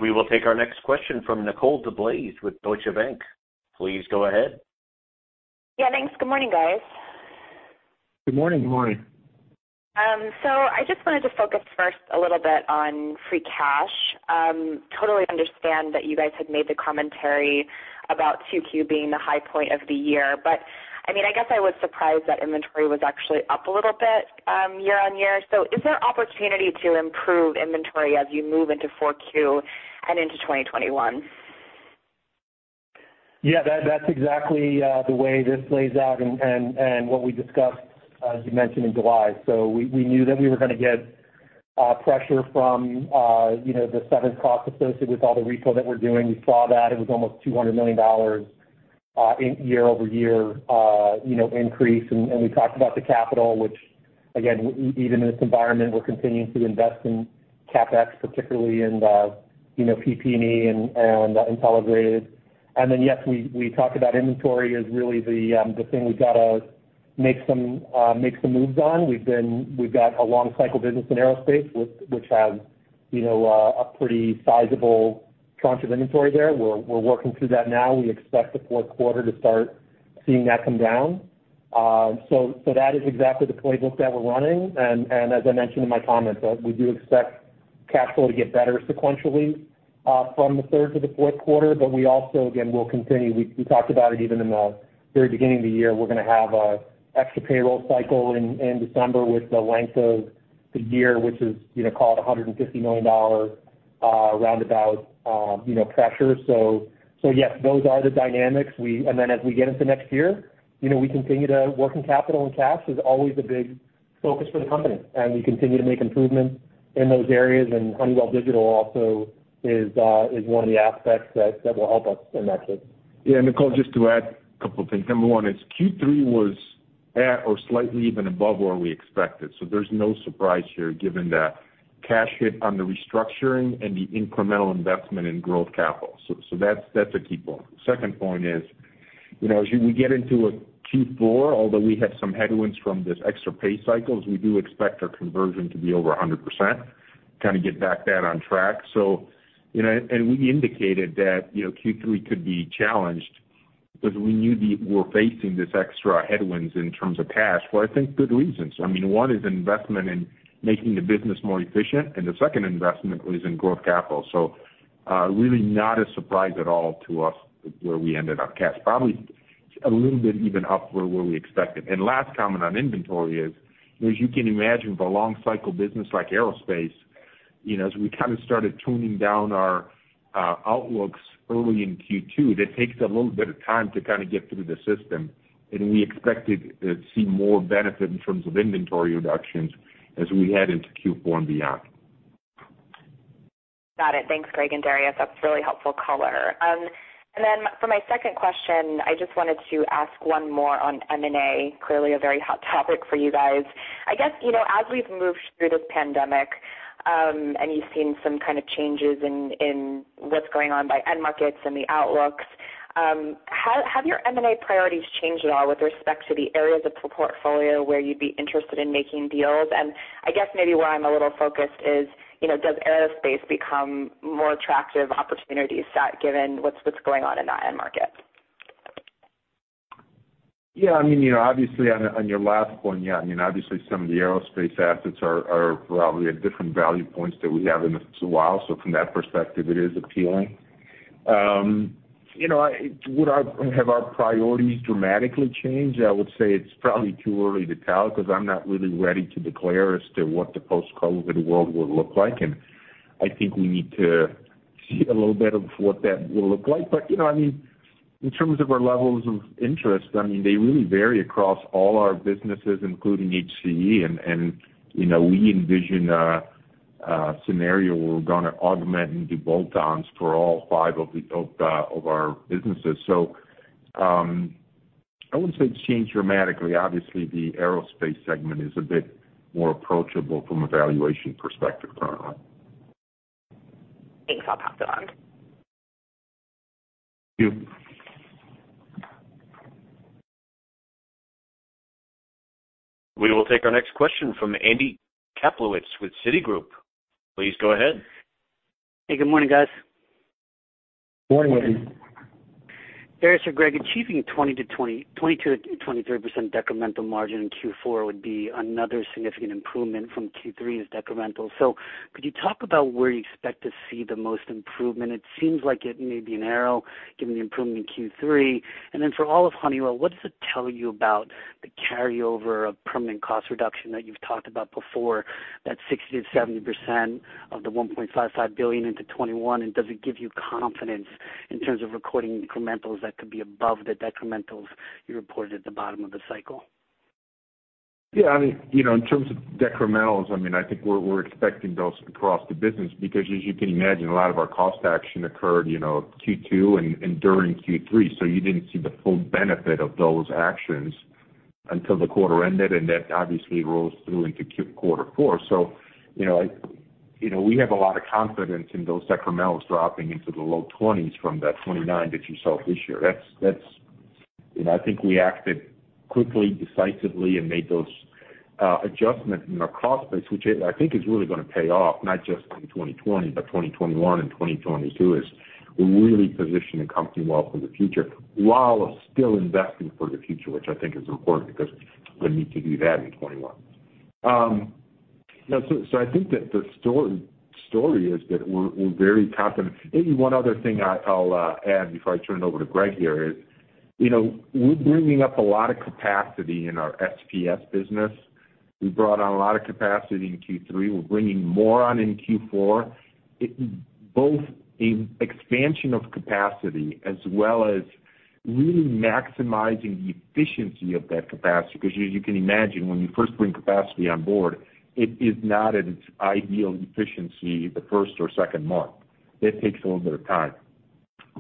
We will take our next question from Nicole DeBlase with Deutsche Bank. Please go ahead. Yeah, thanks. Good morning, guys. Good morning. Good morning. I just wanted to focus first a little bit on free cash. Totally understand that you guys had made the commentary about 2Q being the high point of the year, but I guess I was surprised that inventory was actually up a little bit year-over-year. Is there opportunity to improve inventory as you move into 4Q and into 2021? Yeah, that's exactly the way this plays out and what we discussed, as you mentioned, in July. We knew that we were going to get pressure from the severance costs associated with all the refill that we're doing. We saw that it was almost $200 million in year-over-year increase. We talked about the capital, which again, even in this environment, we're continuing to invest in CapEx, particularly in PPE and Intelligrated. Yes, we talked about inventory as really the thing we've got to make some moves on. We've got a long cycle business in aerospace, which has a pretty sizable tranche of inventory there. We're working through that now. We expect the fourth quarter to start seeing that come down. That is exactly the playbook that we're running, and as I mentioned in my comments, we do expect cash flow to get better sequentially from the third to the fourth quarter. We also, again, will continue. We talked about it even in the very beginning of the year. We're going to have an extra payroll cycle in December with the length of the year, which is called $150 million roundabout pressure. Yes, those are the dynamics. Then as we get into next year, we continue to work in capital and cash is always a big focus for the company, and we continue to make improvements in those areas, and Honeywell Digital also is one of the aspects that will help us in that case. Yeah, Nicole, just to add a couple of things. Number one is Q3 was at or slightly even above where we expected. There's no surprise here given the cash hit on the restructuring and the incremental investment in growth capital. That's a key point. Second point is, as we get into Q4, although we have some headwinds from this extra pay cycles, we do expect our conversion to be over 100%, kind of get back that on track. We indicated that Q3 could be challenged because we knew we were facing these extra headwinds in terms of cash for I think good reasons. One is investment in making the business more efficient, and the second investment was in growth capital. Really not a surprise at all to us where we ended up. Cash probably a little bit even up where we expected. Last comment on inventory is, as you can imagine, with a long cycle business like Aerospace, as we kind of started tuning down our outlooks early in Q2, that takes a little bit of time to kind of get through the system. We expected to see more benefit in terms of inventory reductions as we head into Q4 and beyond. Got it. Thanks, Greg and Darius. That's really helpful color. For my second question, I just wanted to ask one more on M&A, clearly a very hot topic for you guys. I guess, as we've moved through this pandemic, and you've seen some kind of changes in what's going on by end markets and the outlooks, have your M&A priorities changed at all with respect to the areas of the portfolio where you'd be interested in making deals? I guess maybe where I'm a little focused is, does Aerospace become more attractive opportunities given what's going on in that end market? Obviously on your last point, obviously some of the Aerospace assets are probably at different value points that we have in a while. From that perspective, it is appealing. Would have our priorities dramatically changed? I would say it's probably too early to tell because I'm not really ready to declare as to what the post-COVID world will look like, and I think we need to see a little bit of what that will look like. In terms of our levels of interest, they really vary across all our businesses, including HCE, and we envision a scenario where we're going to augment and do bolt-ons for all five of our businesses. I wouldn't say it's changed dramatically. Obviously, the Aerospace segment is a bit more approachable from a valuation perspective. Thanks. I'll pass it on. Thank you. We will take our next question from Andy Kaplowitz with Citigroup. Please go ahead. Hey, good morning, guys. Morning, Andy. Darius or Greg, achieving 20%-23% decremental margin in Q4 would be another significant improvement from Q3 as decremental. Could you talk about where you expect to see the most improvement? It seems like it may be narrow given the improvement in Q3. For all of Honeywell, what does it tell you about the carryover of permanent cost reduction that you've talked about before, that 60%-70% of the $1.55 billion into 2021? Does it give you confidence in terms of recording incrementals that could be above the decrementals you reported at the bottom of the cycle? Yeah. In terms of decrementals, I think we're expecting those across the business because as you can imagine, a lot of our cost action occurred Q2 and during Q3, you didn't see the full benefit of those actions until the quarter ended, and that obviously rolls through into quarter four. We have a lot of confidence in those decrementals dropping into the low-20s from that 29 that you saw this year. I think we acted quickly, decisively and made those adjustments in our cost base, which I think is really going to pay off, not just in 2020, but 2021 and 2022, as we really position the company well for the future while still investing for the future, which I think is important because we need to do that in 2021. I think that the story is that we're very confident. Maybe one other thing I'll add before I turn it over to Greg here is, we're bringing up a lot of capacity in our SPS business. We brought on a lot of capacity in Q3. We're bringing more on in Q4, both in expansion of capacity as well as really maximizing the efficiency of that capacity. Because as you can imagine, when you first bring capacity on board, it is not at its ideal efficiency the first or second month. It takes a little bit of time.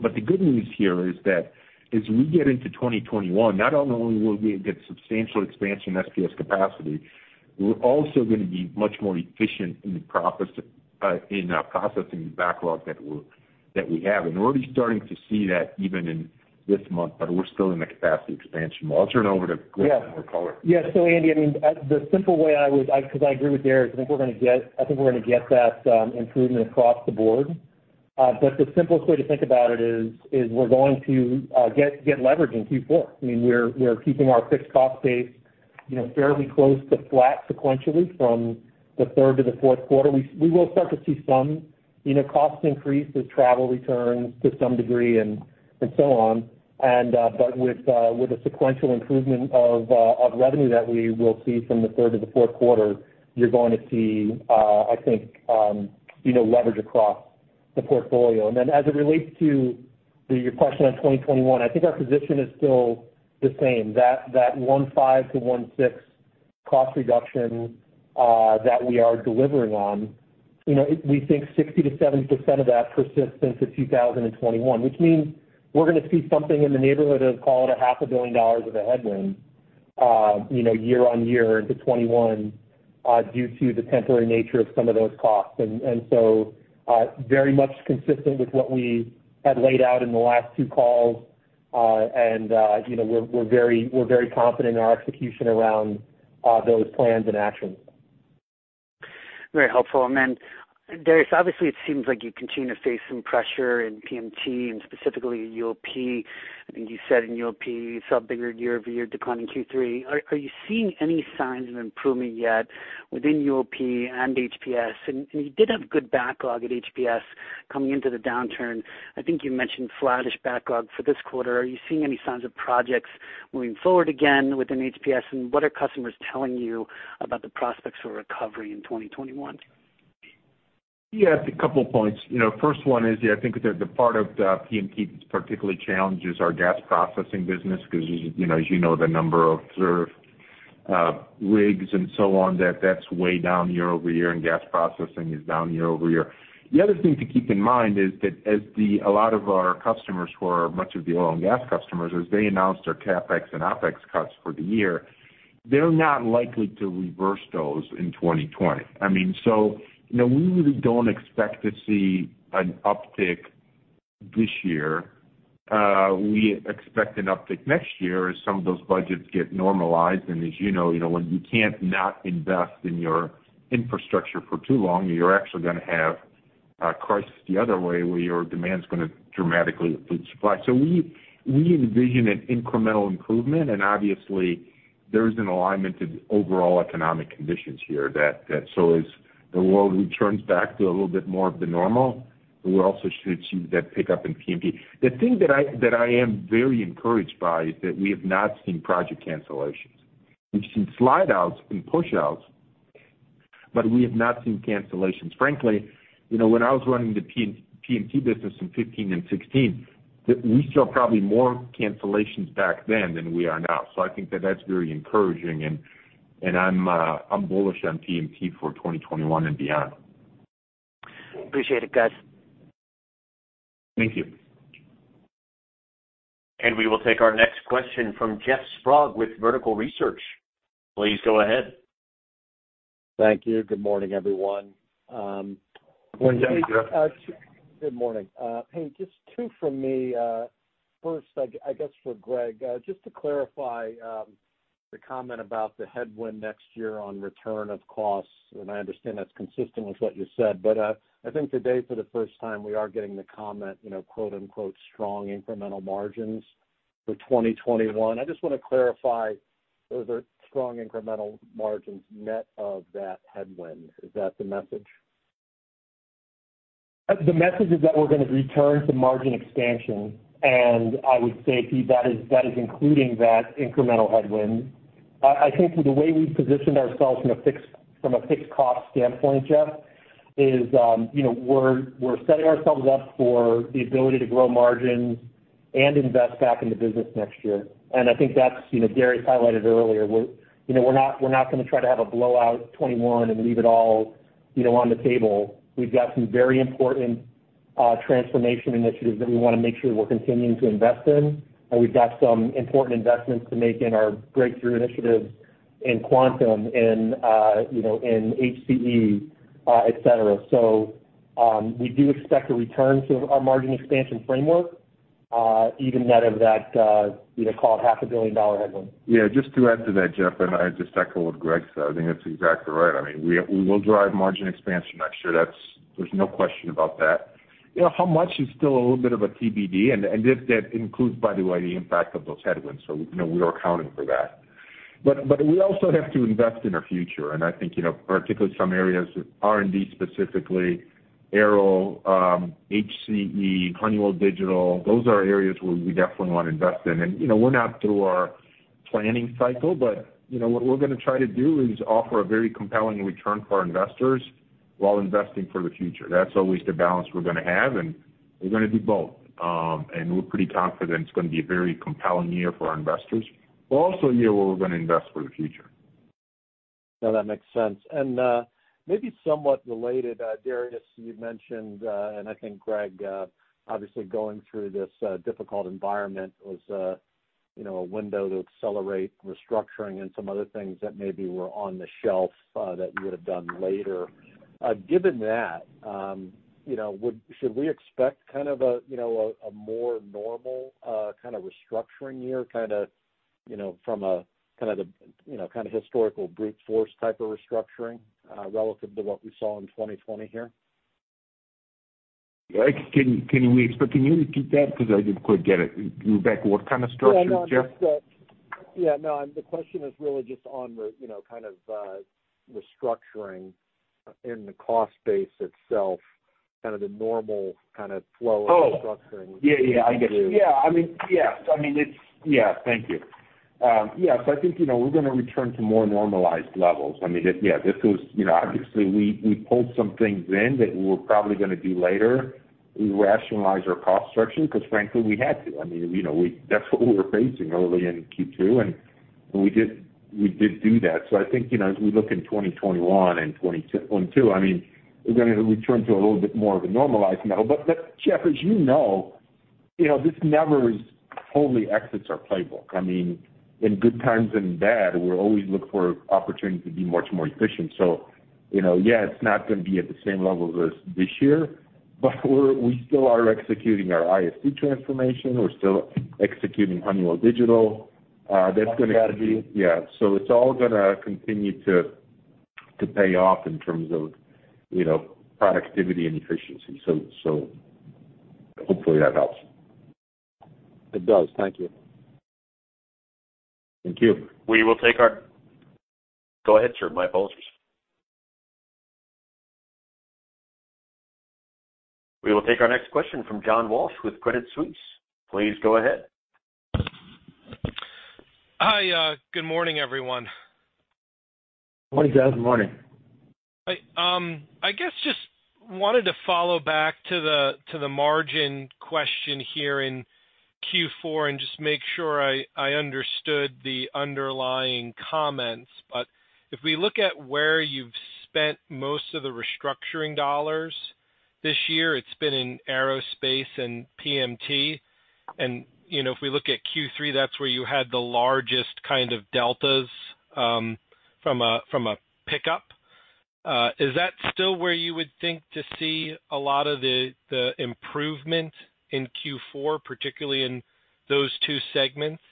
The good news here is that as we get into 2021, not only will we get substantial expansion in SPS capacity, we're also going to be much more efficient in the processing backlog that we have. We're already starting to see that even in this month, but we're still in the capacity expansion mode. I'll turn it over to Greg for more color. Yeah. Andy, because I agree with Darius, I think we're going to get that improvement across the board. The simplest way to think about it is we're going to get leverage in Q4. We're keeping our fixed cost base fairly close to flat sequentially from the third to the fourth quarter. We will start to see some cost increase as travel returns to some degree and so on. With a sequential improvement of revenue that we will see from the third to the fourth quarter, you're going to see, I think, leverage across the portfolio. As it relates to your question on 2021, I think our position is still the same, that $1.5 billion-$1.6 billion cost reduction that we are delivering on. We think 60%-70% of that persists into 2021, which means we're going to see something in the neighborhood of call it a $500,000,000 of a headwind year on year into 2021 due to the temporary nature of some of those costs. Very much consistent with what we had laid out in the last two calls. We're very confident in our execution around those plans and actions. Very helpful. Then Darius, obviously it seems like you continue to face some pressure in PMT and specifically in UOP. I think you said in UOP, you saw a bigger year-over-year decline in Q3. Are you seeing any signs of improvement yet within UOP and HPS? You did have good backlog at HPS coming into the downturn. I think you mentioned flattish backlog for this quarter. Are you seeing any signs of projects moving forward again within HPS? What are customers telling you about the prospects for recovery in 2021? Yeah, a couple of points. First one is, I think the part of the PMT that's particularly challenged is our gas processing business because as you know, the number of served rigs and so on, that's way down year-over-year. Gas processing is down year-over-year. The other thing to keep in mind is that as a lot of our customers who are much of the oil and gas customers, as they announced their CapEx and OpEx cuts for the year, they're not likely to reverse those in 2020. We really don't expect to see an uptick this year. We expect an uptick next year as some of those budgets get normalized. As you know, when you can't not invest in your infrastructure for too long, you're actually going to have a crisis the other way where your demand is going to dramatically exceed supply. We envision an incremental improvement, and obviously there is an alignment to overall economic conditions here. As the world returns back to a little bit more of the normal, we also should see that pickup in PMT. The thing that I am very encouraged by is that we have not seen project cancellations. We've seen slide outs and push outs, but we have not seen cancellations. Frankly, when I was running the PMT business in 2015 and 2016, we saw probably more cancellations back then than we are now. I think that that's very encouraging, and I'm bullish on PMT for 2021 and beyond. Appreciate it, guys. Thank you. We will take our next question from Jeff Sprague with Vertical Research. Please go ahead. Thank you. Good morning, everyone. Morning, Jeff. Hey, Jeff. Good morning. Hey, just two from me. First, I guess for Greg, just to clarify the comment about the headwind next year on return of costs, and I understand that's consistent with what you said, but I think today, for the first time, we are getting the comment, strong incremental margins for 2021. I just want to clarify, those are strong incremental margins net of that headwind. Is that the message? The message is that we're going to return to margin expansion. I would say, Pete, that is including that incremental headwind. I think the way we've positioned ourselves from a fixed cost standpoint, Jeff, is we're setting ourselves up for the ability to grow margins and invest back in the business next year. I think that's, Darius highlighted earlier, we're not going to try to have a blowout 2021 and leave it all on the table. We've got some very important transformation initiatives that we want to make sure we're continuing to invest in, and we've got some important investments to make in our breakthrough initiatives in quantum, in HCE, et cetera. We do expect a return to our margin expansion framework, even net of that, call it $500,000,000 headwind. Just to add to that, Jeff, and I just echo what Greg said. I think that's exactly right. We will drive margin expansion next year. There's no question about that. How much is still a little bit of a TBD, and if that includes, by the way, the impact of those headwinds. We are accounting for that. We also have to invest in our future, and I think, particularly some areas, R&D specifically, Aero, HCE, Honeywell Digital, those are areas where we definitely want to invest in. We're not through our planning cycle, but what we're going to try to do is offer a very compelling return for our investors while investing for the future. That's always the balance we're going to have, and we're going to do both. We're pretty confident it's going to be a very compelling year for our investors, but also a year where we're going to invest for the future. No, that makes sense. Maybe somewhat related, Darius, you mentioned, and I think Greg, obviously going through this difficult environment was a window to accelerate restructuring and some other things that maybe were on the shelf that you would've done later. Given that, should we expect a more normal kind of restructuring year, from a historical brute force type of restructuring, relative to what we saw in 2020 here? Greg, can you repeat that? I didn't quite get it. Can you go back? What kind of restructuring, Jeff? Yeah, no, the question is really just on the kind of restructuring in the cost base itself, kind of the normal kind of flow of restructuring. Oh, yeah. I get you. Yeah. Thank you. Yeah. I think, we're going to return to more normalized levels. Obviously, we pulled some things in that we were probably going to do later. We rationalized our cost structure because frankly, we had to. That's what we were facing early in Q2, and we did do that. I think, as we look in 2021 and 2022, we're going to return to a little bit more of a normalized model. Jeff, as you know, this never totally exits our playbook. In good times and bad, we're always looking for opportunity to be much more efficient. Yeah, it's not going to be at the same level as this year, but we still are executing our ISC transformation. We're still executing Honeywell Digital. Strategy. Yeah. It's all going to continue to pay off in terms of productivity and efficiency. Hopefully that helps. It does. Thank you. Thank you. Go ahead, sir. My apologies. We will take our next question from John Walsh with Credit Suisse. Please go ahead. Hi. Good morning, everyone. Morning, John. Good morning. I guess just wanted to follow back to the margin question here in Q4 and just make sure I understood the underlying comments. If we look at where you've spent most of the restructuring dollars this year, it's been in aerospace and PMT, and if we look at Q3, that's where you had the largest kind of deltas from a pickup. Is that still where you would think to see a lot of the improvement in Q4, particularly in those two segments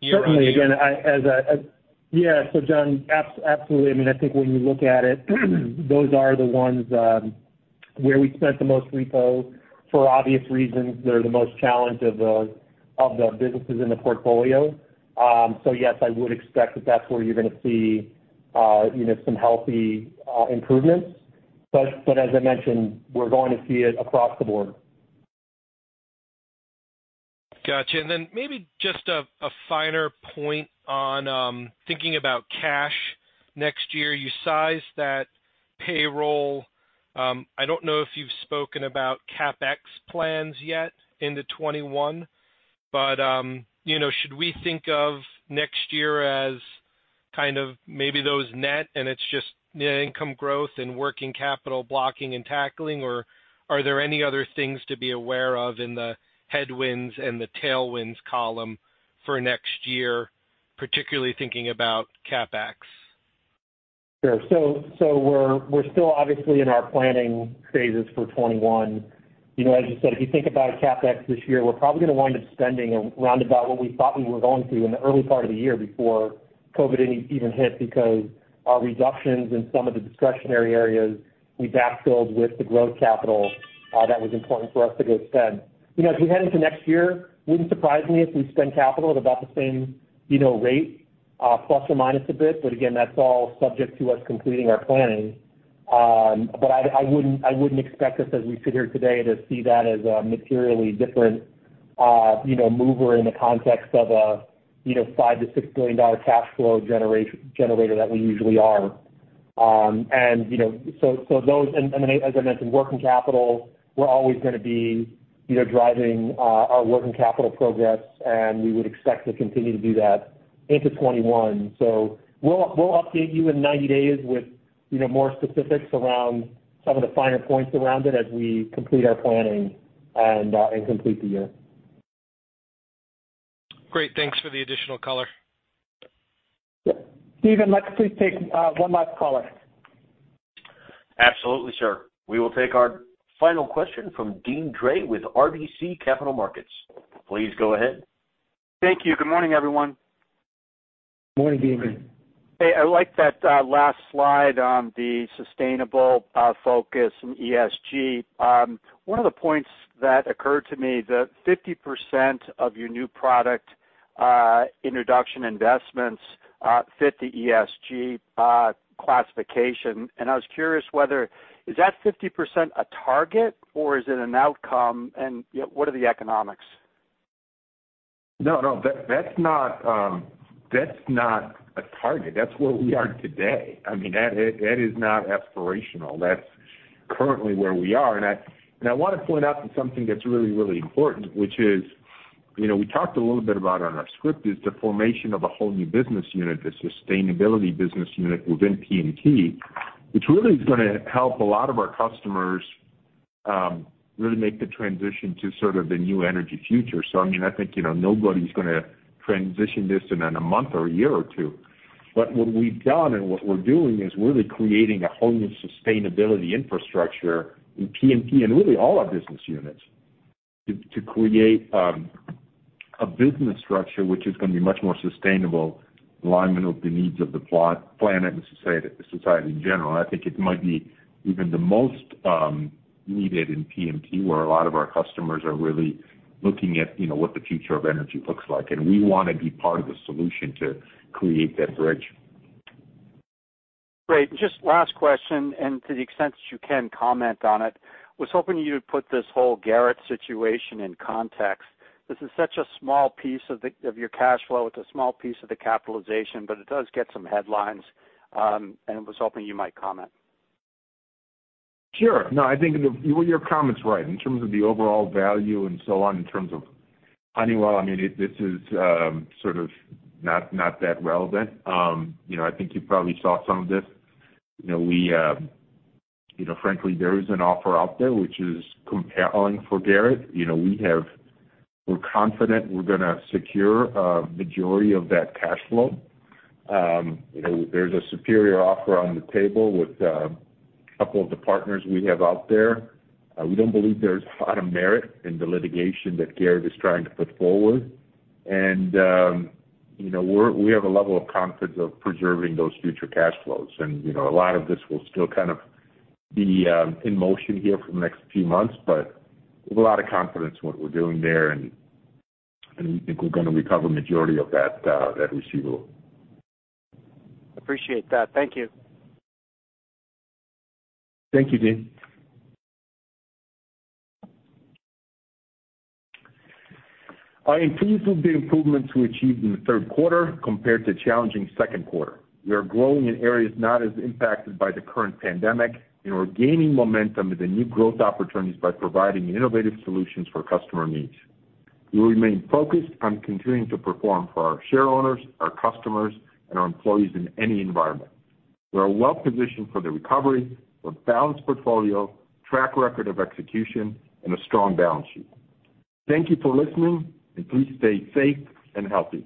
year-on-year? Certainly. John, absolutely. I think when you look at it, those are the ones where we spent the most repo. For obvious reasons, they're the most challenged of the businesses in the portfolio. Yes, I would expect that that's where you're going to see some healthy improvements. As I mentioned, we're going to see it across the board. Got you. Maybe just a finer point on thinking about cash next year. You sized that payroll. I don't know if you've spoken about CapEx plans yet into 2021, but should we think of next year as maybe those net, and it's just net income growth and working capital blocking and tackling, or are there any other things to be aware of in the headwinds and the tailwinds column for next year, particularly thinking about CapEx? Sure. We're still obviously in our planning phases for 2021. As you said, if you think about CapEx this year, we're probably going to wind up spending around about what we thought we were going to in the early part of the year before COVID even hit, because our reductions in some of the discretionary areas we backfilled with the growth capital that was important for us to go spend. As we head into next year, wouldn't surprise me if we spend capital at about the same rate, plus or minus a bit. Again, that's all subject to us completing our planning. I wouldn't expect us, as we sit here today, to see that as a materially different mover in the context of a $5 billion-$6 billion cash flow generator that we usually are. As I mentioned, working capital, we're always going to be driving our working capital progress, and we would expect to continue to do that into 2021. We'll update you in 90 days with more specifics around some of the finer points around it as we complete our planning and complete the year. Great. Thanks for the additional color. Steven, let's please take one last caller. Absolutely, sir. We will take our final question from Deane Dray with RBC Capital Markets. Please go ahead. Thank you. Good morning, everyone. Morning, Deane. Hey, I liked that last slide on the sustainable focus and ESG. One of the points that occurred to me, that 50% of your new product introduction investments fit the ESG classification, and I was curious whether, is that 50% a target, or is it an outcome, and what are the economics? No, that's not a target. That's where we are today. That is not aspirational. That's currently where we are. I want to point out something that's really, really important, which is, we talked a little bit about it on our script, is the formation of a whole new business unit, the sustainability business unit within PMT, which really is going to help a lot of our customers really make the transition to sort of the new energy future. I think, nobody's going to transition this in a month or a year or two. What we've done and what we're doing is really creating a whole new sustainability infrastructure in PMT and really all our business units to create a business structure which is going to be much more sustainable in alignment with the needs of the planet and society in general. I think it might be even the most needed in PMT, where a lot of our customers are really looking at what the future of energy looks like. We want to be part of the solution to create that bridge. Great. Just last question, and to the extent that you can comment on it, was hoping you would put this whole Garrett situation in context. This is such a small piece of your cash flow. It's a small piece of the capitalization, but it does get some headlines, and was hoping you might comment. Sure. No, I think your comment's right in terms of the overall value and so on, in terms of Honeywell, this is sort of not that relevant. I think you probably saw some of this. Frankly, there is an offer out there which is compelling for Garrett. We're confident we're going to secure a majority of that cash flow. There's a superior offer on the table with a couple of the partners we have out there. We don't believe there's a lot of merit in the litigation that Garrett is trying to put forward. We have a level of confidence of preserving those future cash flows. A lot of this will still kind of be in motion here for the next few months, but we have a lot of confidence in what we're doing there, and we think we're going to recover majority of that receivable. Appreciate that. Thank you. Thank you, Deane. I am pleased with the improvements we achieved in the third quarter compared to challenging second quarter. We are growing in areas not as impacted by the current pandemic. We're gaining momentum with the new growth opportunities by providing innovative solutions for customer needs. We remain focused on continuing to perform for our shareholders, our customers, and our employees in any environment. We are well-positioned for the recovery with a balanced portfolio, track record of execution, and a strong balance sheet. Thank you for listening. Please stay safe and healthy.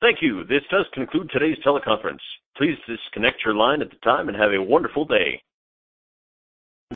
Thank you. This does conclude today's teleconference. Please disconnect your line at the time and have a wonderful day.